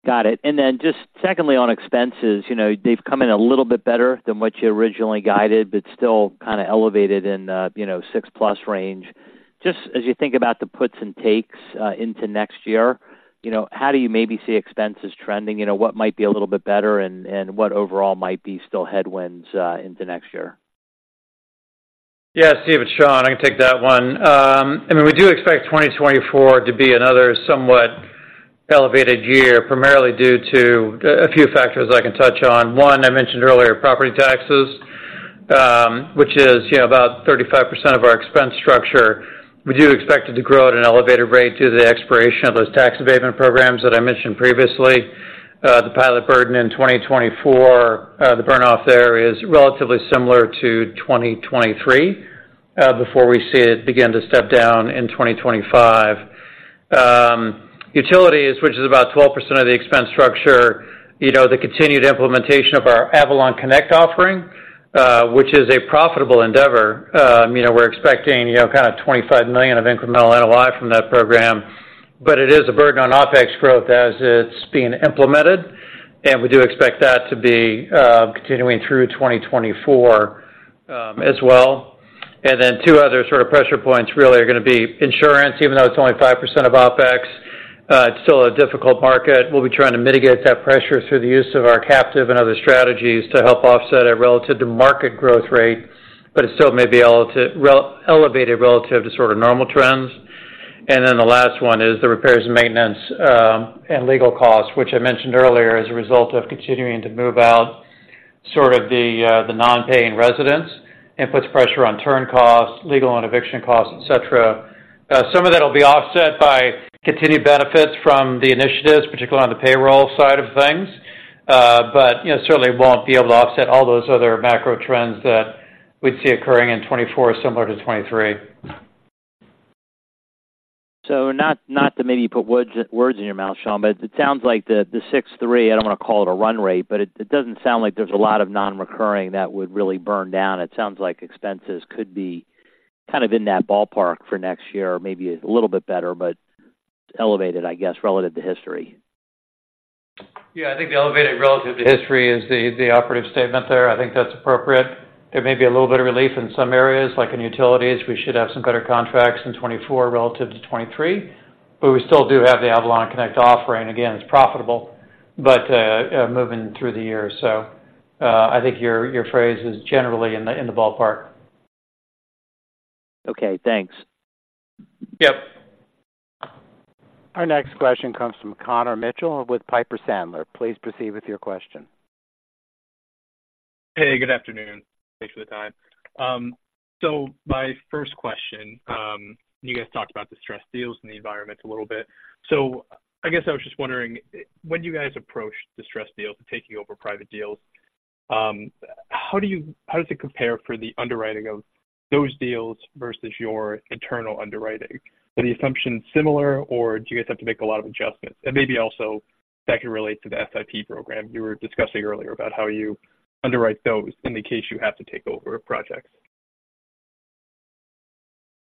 Got it. Then just secondly, on expenses, you know, they've come in a little bit better than what you originally guided, but still kind of elevated in the, you know, six-plus range. Just as you think about the puts and takes into next year, you know, how do you maybe see expenses trending? You know, what might be a little bit better, and what overall might be still headwinds into next year? Yeah, Steve, it's Sean. I can take that one. I mean, we do expect 2024 to be another somewhat elevated year, primarily due to a few factors I can touch on. One, I mentioned earlier, property taxes, which is, you know, about 35% of our expense structure. We do expect it to grow at an elevated rate due to the expiration of those tax abatement programs that I mentioned previously. The PILOT burden in 2024, the burn-off there is relatively similar to 2023, before we see it begin to step down in 2025. Utilities, which is about 12% of the expense structure, you know, the continued implementation of our AvalonConnect offering, which is a profitable endeavor. you know, we're expecting, you know, kind of $25 million of incremental NOI from that program, but it is a burden on OpEx growth as it's being implemented, and we do expect that to be continuing through 2024, as well. And then two other sort of pressure points really are going to be insurance, even though it's only 5% of OpEx, it's still a difficult market. We'll be trying to mitigate that pressure through the use of our captive and other strategies to help offset it relative to market growth rate, but it still may be elevated relative to sort of normal trends. ...The last one is the repairs and maintenance, and legal costs, which I mentioned earlier, as a result of continuing to move out sort of the non-paying residents, and puts pressure on turn costs, legal and eviction costs, et cetera. Some of that will be offset by continued benefits from the initiatives, particularly on the payroll side of things. You know, certainly won't be able to offset all those other macro trends that we'd see occurring in 2024, similar to 2023. So not to maybe put words in your mouth, Sean, but it sounds like the 63. I don't want to call it a run rate, but it doesn't sound like there's a lot of non-recurring that would really burn down. It sounds like expenses could be kind of in that ballpark for next year, or maybe a little bit better, but elevated, I guess, relative to history. Yeah, I think the elevated relative to history is the operative statement there. I think that's appropriate. There may be a little bit of relief in some areas, like in utilities. We should have some better contracts in 2024 relative to 2023, but we still do have the AvalonConnect offering. Again, it's profitable, but moving through the year. So, I think your phrase is generally in the ballpark. Okay, thanks. Yep. Our next question comes from Connor Mitchell with Piper Sandler. Please proceed with your question. Hey, good afternoon. Thanks for the time. So my first question, you guys talked about distressed deals in the environment a little bit. So I guess I was just wondering, when you guys approach distressed deals and taking over private deals, how does it compare for the underwriting of those deals versus your internal underwriting? Are the assumptions similar, or do you guys have to make a lot of adjustments? And maybe also that can relate to the SIP program you were discussing earlier about how you underwrite those in the case you have to take over projects.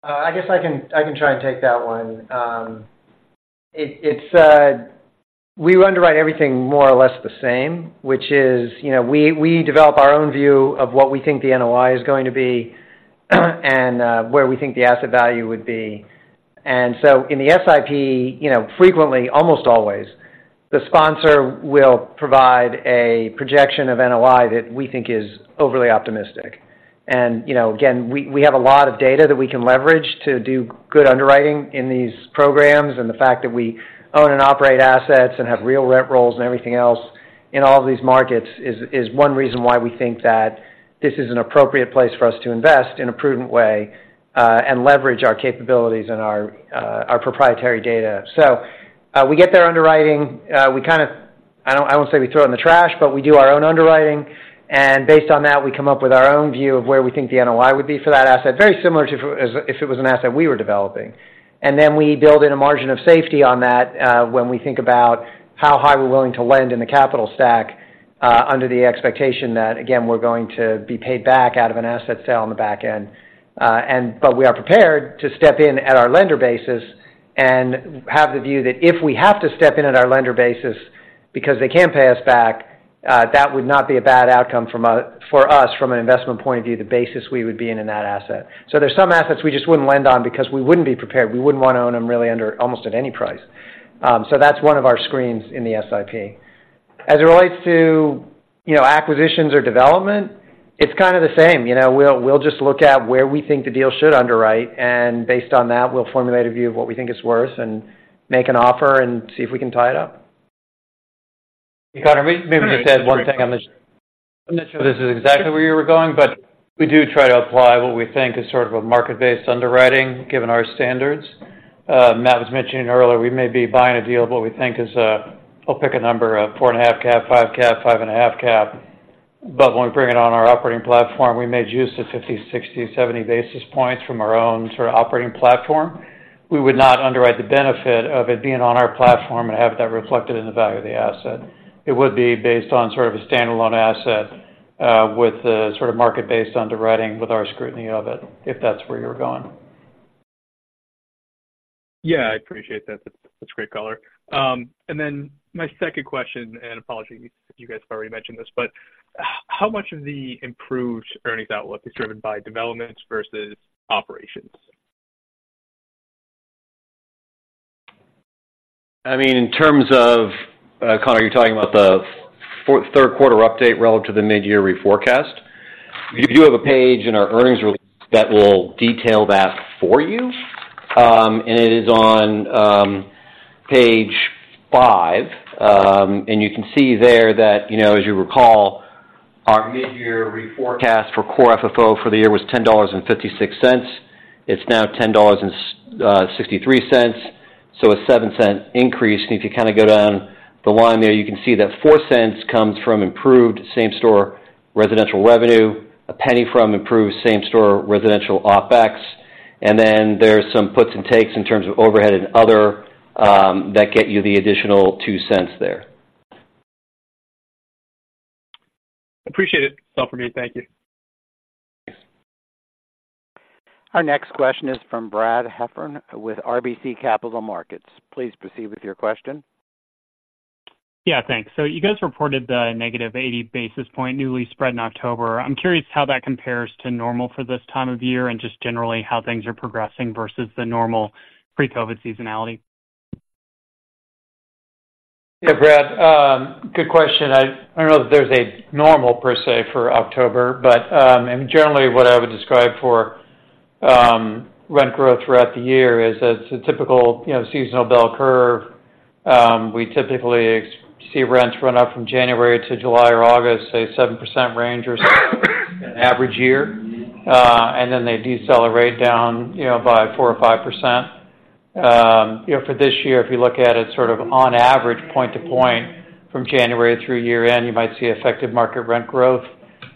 I guess I can try and take that one. It's, we underwrite everything more or less the same, which is, you know, we develop our own view of what we think the NOI is going to be, and where we think the asset value would be. In the SIP, you know, frequently, almost always, the sponsor will provide a projection of NOI that we think is overly optimistic. You know, again, we have a lot of data that we can leverage to do good underwriting in these programs. The fact that we own and operate assets and have real rent rolls and everything else in all of these markets is one reason why we think that this is an appropriate place for us to invest in a prudent way, and leverage our capabilities and our proprietary data. So, we get their underwriting, we kind of... I don't, I won't say we throw it in the trash, but we do our own underwriting, and based on that, we come up with our own view of where we think the NOI would be for that asset, very similar to if it was an asset we were developing. We build in a margin of safety on that when we think about how high we're willing to lend in the capital stack, under the expectation that, again, we're going to be paid back out of an asset sale on the back end. And we are prepared to step in at our lender basis and have the view that if we have to step in at our lender basis because they can't pay us back, that would not be a bad outcome for us from an investment point of view, the basis we would be in, in that asset. There's some assets we just wouldn't lend on because we wouldn't be prepared. We wouldn't want to own them really under, almost at any price. That's one of our screens in the SIP. As it relates to, you know, acquisitions or development, it's kind of the same. You know, we'll just look at where we think the deal should underwrite, and based on that, we'll formulate a view of what we think it's worth and make an offer and see if we can tie it up. Hey, Connor, may just add one thing on this. I'm not sure this is exactly where you were going, but we do try to apply what we think is sort of a market-based underwriting, given our standards. Matt was mentioning earlier, we may be buying a deal of what we think is a, I'll pick a number, a 4.5 cap, 5 cap, 5.5 cap, but when we bring it on our operating platform, we made use of 50, 60, 70 basis points from our own sort of operating platform. We would not underwrite the benefit of it being on our platform and have that reflected in the value of the asset. It would be based on sort of a standalone asset, with a sort of market-based underwriting, with our scrutiny of it, if that's where you're going. Yeah, I appreciate that. That's, that's great color. And then my second question, and apologies if you guys have already mentioned this, but how much of the improved earnings outlook is driven by developments versus operations? I mean, in terms of, Connor, you're talking about the third quarter update relative to the mid-year reforecast? We do have a page in our earnings release that will detail that for you, and it is on page 5. And you can see there that, you know, as you recall, our mid-year reforecast for Core FFO for the year was $10.56. It's now $10.63, so a 7-cent increase. And if you kind of go down the line there, you can see that 4 cents comes from improved same-store residential revenue, 1 cent from improved same-store residential OpEx, and then there's some puts and takes in terms of overhead and other that get you the additional 2 cents there. Appreciate it. It's all for me. Thank you. Thanks. Our next question is from Brad Heffern with RBC Capital Markets. Please proceed with your question. Yeah, thanks. So you guys reported the negative 80 basis point new lease spread in October. I'm curious how that compares to normal for this time of year, and just generally, how things are progressing versus the normal pre-COVID seasonality? ... Yeah, Brad, good question. I don't know if there's a normal per se for October, but and generally, what I would describe for rent growth throughout the year is that it's a typical, you know, seasonal bell curve. We typically see rents run up from January to July or August, say 7% range in an average year. And then they decelerate down, you know, by 4% or 5%. You know, for this year, if you look at it sort of on average, point to point, from January through year-end, you might see effective market rent growth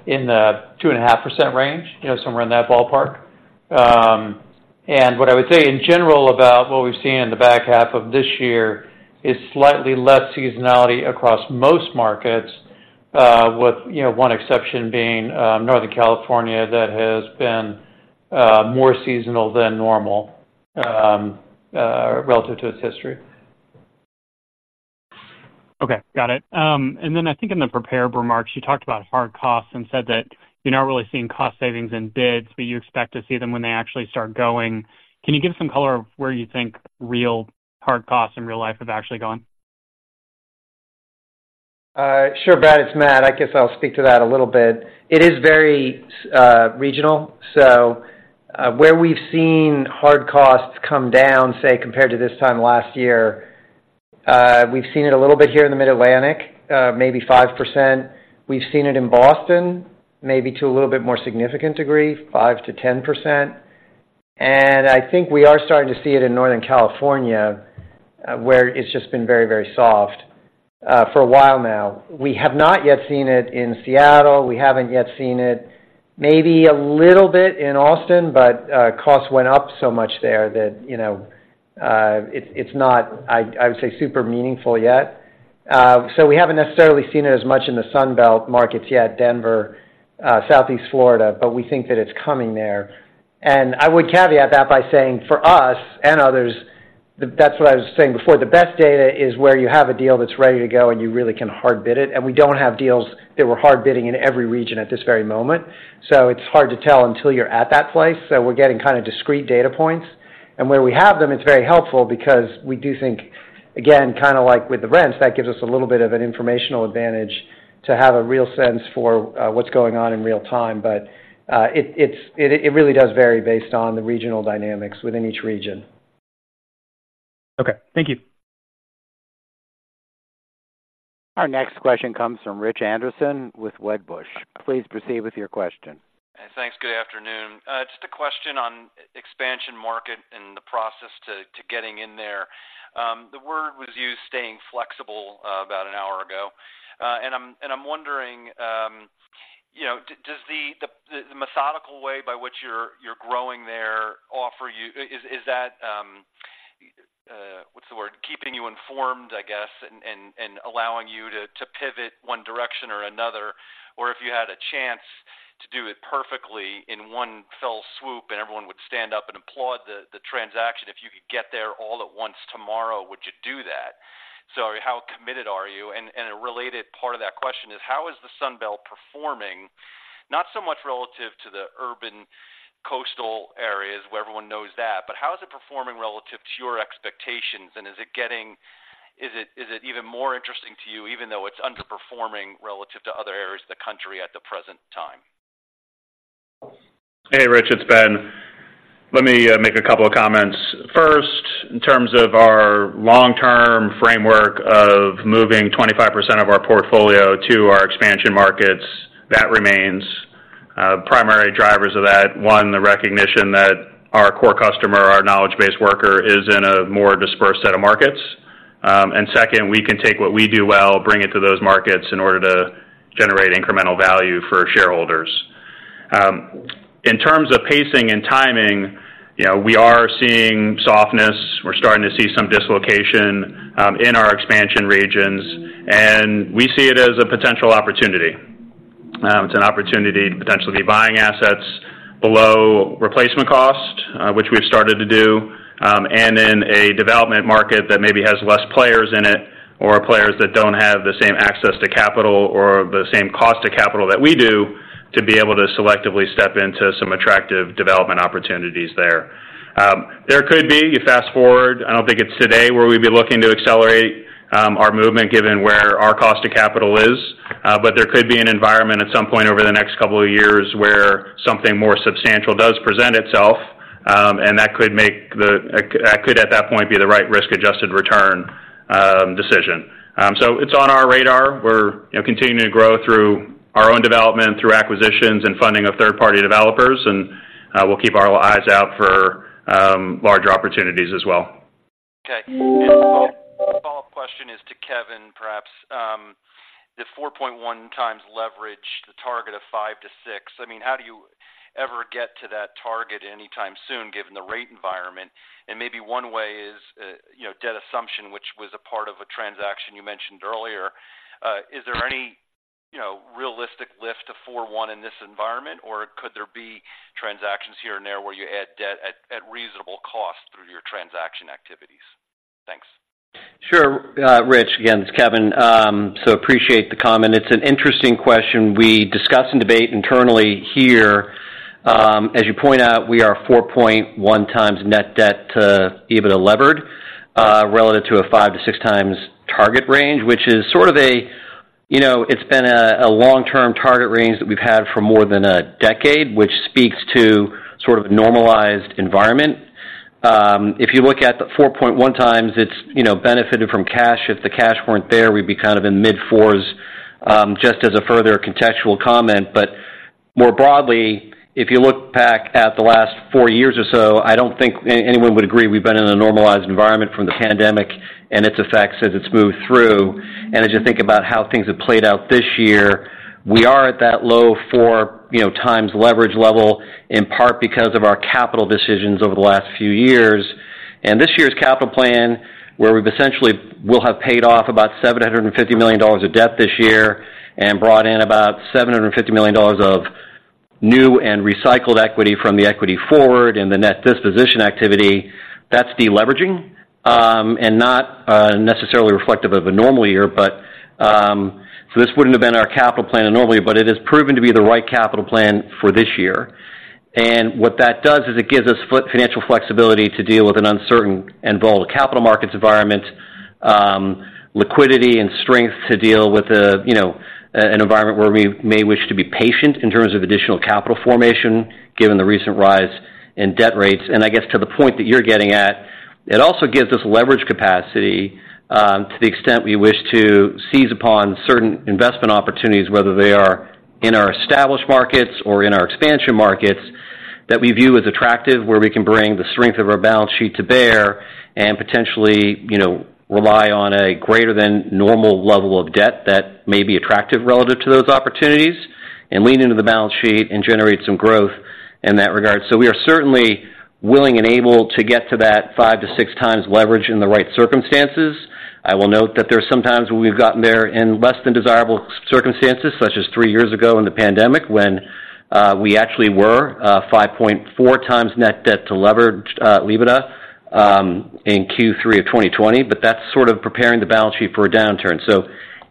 in the 2.5% range, you know, somewhere in that ballpark. What I would say in general about what we've seen in the back half of this year is slightly less seasonality across most markets, with, you know, one exception being Northern California, that has been more seasonal than normal relative to its history. Okay, got it. And then I think in the prepared remarks, you talked about hard costs and said that you're not really seeing cost savings in bids, but you expect to see them when they actually start going. Can you give some color on where you think real hard costs in real life have actually gone? Sure, Brad, it's Matt. I guess I'll speak to that a little bit. It is very, regional. So, where we've seen hard costs come down, say, compared to this time last year, we've seen it a little bit here in the Mid-Atlantic, maybe 5%. We've seen it in Boston, maybe to a little bit more significant degree, 5%-10%. And I think we are starting to see it in Northern California, where it's just been very, very soft, for a while now. We have not yet seen it in Seattle. We haven't yet seen it, maybe a little bit in Austin, but, costs went up so much there that, you know, it's not, I would say, super meaningful yet. So we haven't necessarily seen it as much in the Sun Belt markets yet, Denver, Southeast Florida, but we think that it's coming there. And I would caveat that by saying, for us and others, that's what I was saying before. The best data is where you have a deal that's ready to go, and you really can hard bid it, and we don't have deals that we're hard bidding in every region at this very moment. So it's hard to tell until you're at that place. So we're getting kind of discrete data points. And where we have them, it's very helpful because we do think, again, kind of like with the rents, that gives us a little bit of an informational advantage to have a real sense for what's going on in real time. But it really does vary based on the regional dynamics within each region. Okay, thank you. Our next question comes from Rich Anderson with Wedbush. Please proceed with your question. Thanks. Good afternoon. Just a question on expansion market and the process to getting in there. The word was used, staying flexible, about an hour ago. And I'm wondering, you know, does the methodical way by which you're growing there offer you—is that keeping you informed, I guess, and allowing you to pivot one direction or another, or if you had a chance to do it perfectly in one fell swoop, and everyone would stand up and applaud the transaction. If you could get there all at once tomorrow, would you do that? So how committed are you? And a related part of that question is: How is the Sun Belt performing? Not so much relative to the urban coastal areas, where everyone knows that, but how is it performing relative to your expectations, and is it even more interesting to you, even though it's underperforming relative to other areas of the country at the present time? Hey, Rich, it's Ben. Let me make a couple of comments. First, in terms of our long-term framework of moving 25% of our portfolio to our expansion markets, that remains. Primary drivers of that, one, the recognition that our core customer, our knowledge-based worker, is in a more dispersed set of markets. And second, we can take what we do well, bring it to those markets in order to generate incremental value for shareholders. In terms of pacing and timing, you know, we are seeing softness. We're starting to see some dislocation in our expansion regions, and we see it as a potential opportunity. It's an opportunity to potentially be buying assets below replacement cost, which we've started to do, and in a development market that maybe has less players in it, or players that don't have the same access to capital or the same cost of capital that we do, to be able to selectively step into some attractive development opportunities there. There could be, you fast-forward, I don't think it's today, where we'd be looking to accelerate our movement, given where our cost of capital is. But there could be an environment at some point over the next couple of years, where something more substantial does present itself, and that could, at that point, be the right risk-adjusted return decision. So it's on our radar. We're, you know, continuing to grow through our own development, through acquisitions and funding of third-party developers, and we'll keep our eyes out for larger opportunities as well. Okay. The follow-up question is to Kevin, perhaps. The 4.1x leverage, the target of 5-6. I mean, how do you ever get to that target anytime soon, given the rate environment? Maybe one way is, you know, debt assumption, which was a part of a transaction you mentioned earlier. Is there any, you know, realistic lift to 4.1 in this environment, or could there be transactions here and there, where you add debt at reasonable cost through your transaction activities? Thanks. Sure, Rich. Again, it's Kevin. So appreciate the comment. It's an interesting question we discuss and debate internally here.... As you point out, we are 4.1x net debt to EBITDA levered relative to a 5-6x target range, which is sort of a, you know, it's been a long-term target range that we've had for more than a decade, which speaks to sort of normalized environment. If you look at the 4.1x, it's, you know, benefited from cash. If the cash weren't there, we'd be kind of in mid-4s, just as a further contextual comment. But more broadly, if you look back at the last 4 years or so, I don't think anyone would agree we've been in a normalized environment from the pandemic and its effects as it's moved through. As you think about how things have played out this year, we are at that low 4 times leverage level, in part because of our capital decisions over the last few years. This year's capital plan, where we essentially will have paid off about $750 million of debt this year and brought in about $750 million of new and recycled equity from the equity forward and the net disposition activity, that's deleveraging and not necessarily reflective of a normal year. This wouldn't have been our capital plan normally, but it has proven to be the right capital plan for this year. What that does is it gives us financial flexibility to deal with an uncertain and volatile capital markets environment, liquidity and strength to deal with, you know, an environment where we may wish to be patient in terms of additional capital formation, given the recent rise in debt rates. I guess to the point that you're getting at, it also gives us leverage capacity, to the extent we wish to seize upon certain investment opportunities, whether they are in our established markets or in our expansion markets, that we view as attractive, where we can bring the strength of our balance sheet to bear and potentially, you know, rely on a greater than normal level of debt that may be attractive relative to those opportunities, and lean into the balance sheet and generate some growth in that regard. So we are certainly willing and able to get to that 5-6 times leverage in the right circumstances. I will note that there are some times where we've gotten there in less than desirable circumstances, such as three years ago in the pandemic, when we actually were 5.4 times net debt to levered EBITDA in Q3 of 2020. But that's sort of preparing the balance sheet for a downturn. So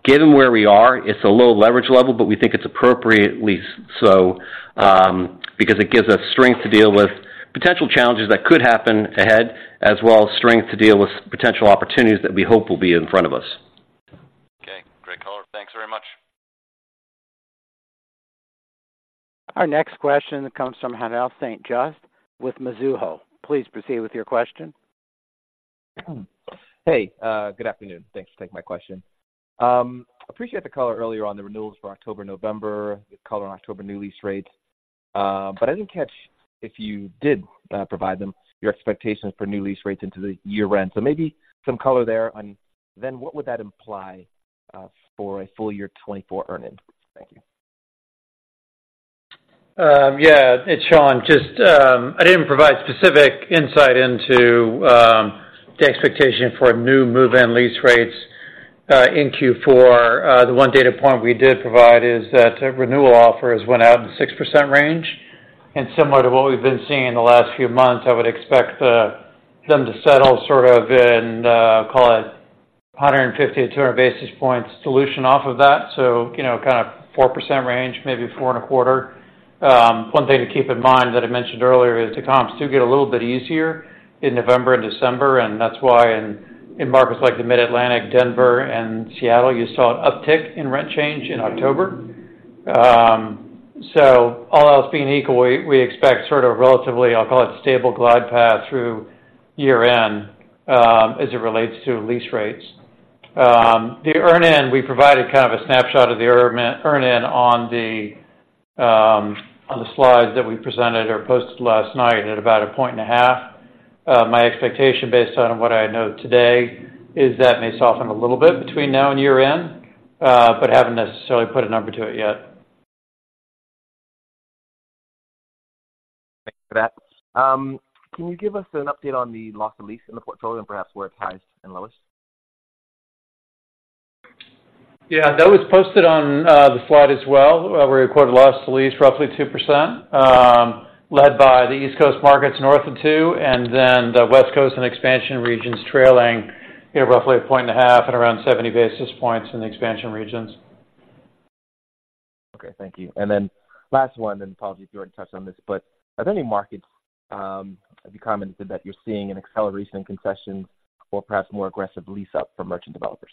given where we are, it's a low leverage level, but we think it's appropriately so because it gives us strength to deal with potential challenges that could happen ahead, as well as strength to deal with potential opportunities that we hope will be in front of us. Okay, great color. Thanks very much. Our next question comes from Haendel St. Juste with Mizuho. Please proceed with your question. Hey, good afternoon. Thanks for taking my question. Appreciate the color earlier on the renewals for October, November, the color on October new lease rates. But I didn't catch if you did provide them, your expectations for new lease rates into the year rent. So maybe some color there on then what would that imply for a full year 2024 earnings? Thank you. Yeah, it's Sean. Just, I didn't provide specific insight into the expectation for new move-in lease rates in Q4. The one data point we did provide is that renewal offers went out in the 6% range. And similar to what we've been seeing in the last few months, I would expect them to settle sort of in call it 150-200 basis points dilution off of that. So, you know, kind of 4% range, maybe 4.25%. One thing to keep in mind that I mentioned earlier is the comps do get a little bit easier in November and December, and that's why in markets like the Mid-Atlantic, Denver and Seattle, you saw an uptick in rent change in October. All else being equal, we expect sort of relatively, I'll call it, stable glide path through year-end as it relates to lease rates. The ear-in, we provided kind of a snapshot of the earn-in on the slides that we presented or posted last night at about 1.5. My expectation, based on what I know today, is that may soften a little bit between now and year-end, but haven't necessarily put a number to it yet. Thanks for that. Can you give us an update on the loss-to-lease in the portfolio and perhaps where it's highest and lowest? Yeah. That was posted on the slide as well, where we recorded a loss to lease, roughly 2%, led by the East Coast markets, north of 2%, and then the West Coast and expansion regions trailing at roughly 1.5% and around 70 basis points in the expansion regions. Okay, thank you. And then last one, and apology if you already touched on this, but are there any markets, you commented that you're seeing an acceleration in concessions or perhaps more aggressive lease-up for merchant developers?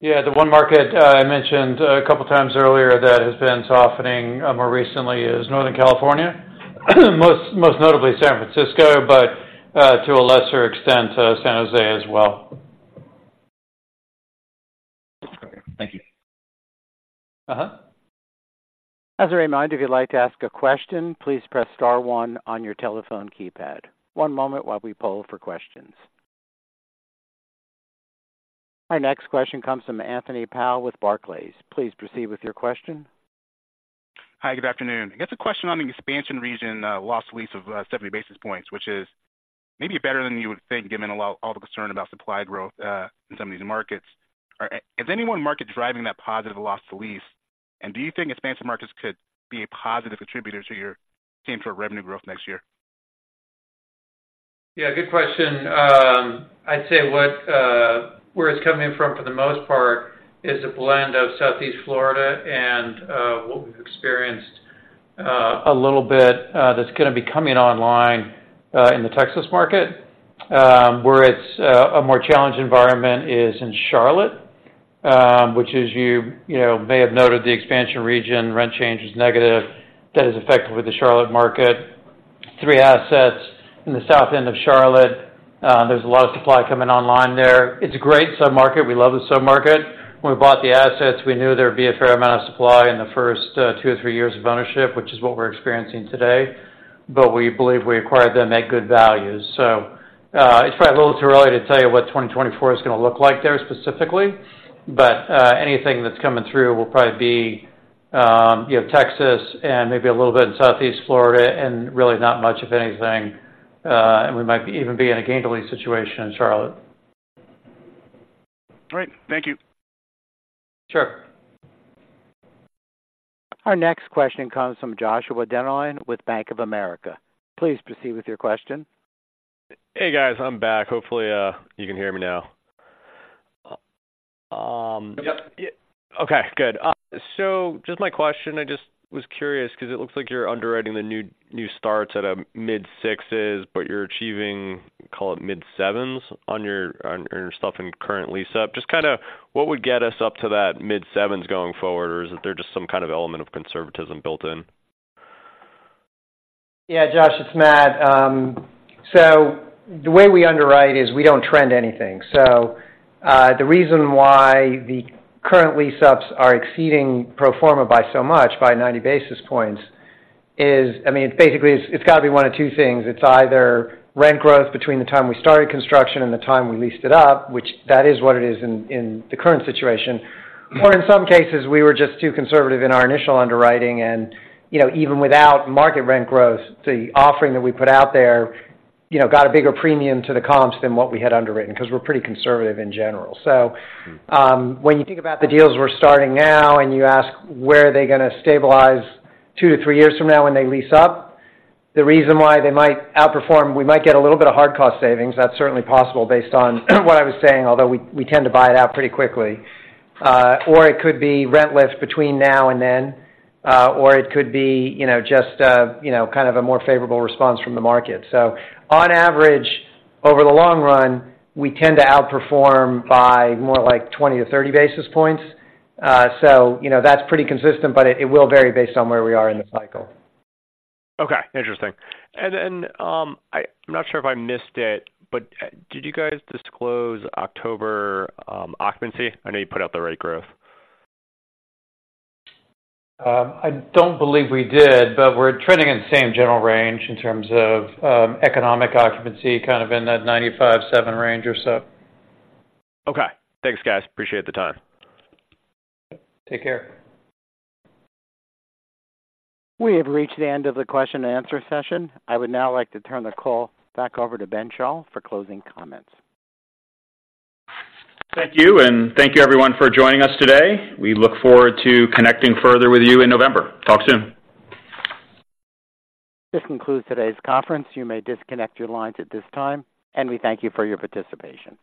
Yeah. The one market I mentioned a couple of times earlier that has been softening more recently is Northern California, most notably San Francisco, but to a lesser extent San Jose as well. Okay, thank you. Uh-huh. As a reminder, if you'd like to ask a question, please press star one on your telephone keypad. One moment while we poll for questions. Our next question comes from Anthony Powell with Barclays. Please proceed with your question. Hi, good afternoon. I guess a question on the expansion region, loss to lease of 70 basis points, which is maybe better than you would think, given all the concern about supply growth in some of these markets. Is any one market driving that positive loss to lease? And do you think expansion markets could be a positive contributor to your same-store revenue growth next year?... Yeah, good question. I'd say where it's coming from, for the most part, is a blend of Southeast Florida and what we've experienced a little bit that's gonna be coming online in the Texas market. Where it's a more challenged environment is in Charlotte, which is, you know, may have noted the expansion region, rent change is negative. That is effective with the Charlotte market. Three assets in the South End of Charlotte. There's a lot of supply coming online there. It's a great sub-market. We love the sub-market. When we bought the assets, we knew there would be a fair amount of supply in the first two or three years of ownership, which is what we're experiencing today. But we believe we acquired them at good value. So, it's probably a little too early to tell you what 2024 is gonna look like there specifically, but anything that's coming through will probably be, you know, Texas and maybe a little bit in Southeast Florida, and really not much of anything, and we might even be in a gain-to-lease situation in Charlotte. Great. Thank you. Sure. Our next question comes from Joshua Dennerlein with Bank of America. Please proceed with your question. Hey, guys, I'm back. Hopefully, you can hear me now. Yep. Okay, good. So just my question, I just was curious because it looks like you're underwriting the new starts at mid-6s, but you're achieving, call it, mid-7s on your stuff in current lease-up. Just kind of what would get us up to that mid-7s going forward, or is there just some kind of element of conservatism built in? Yeah, Josh, it's Matt. So the way we underwrite is we don't trend anything. So, the reason why the current lease ups are exceeding pro forma by so much, by 90 basis points, is... I mean, basically, it's, it's got to be one of two things. It's either rent growth between the time we started construction and the time we leased it up, which that is what it is in, in the current situation, or in some cases, we were just too conservative in our initial underwriting and, you know, even without market rent growth, the offering that we put out there, you know, got a bigger premium to the comps than what we had underwritten, 'cause we're pretty conservative in general. So, when you think about the deals we're starting now, and you ask, where are they gonna stabilize 2-3 years from now when they lease up? The reason why they might outperform, we might get a little bit of hard cost savings. That's certainly possible based on what I was saying, although we, we tend to buy it out pretty quickly. Or it could be rent lifts between now and then, or it could be, you know, just a, you know, kind of a more favorable response from the market. So on average, over the long run, we tend to outperform by more like 20-30 basis points. So you know, that's pretty consistent, but it, it will vary based on where we are in the cycle. Okay, interesting. And then, I'm not sure if I missed it, but, did you guys disclose October occupancy? I know you put out the rate growth. I don't believe we did, but we're trending in the same general range in terms of economic occupancy, kind of in that 95.7 range or so. Okay. Thanks, guys. Appreciate the time. Take care. We have reached the end of the question and answer session. I would now like to turn the call back over to Ben Schall for closing comments. Thank you, and thank you everyone for joining us today. We look forward to connecting further with you in November. Talk soon. This concludes today's conference. You may disconnect your lines at this time, and we thank you for your participation.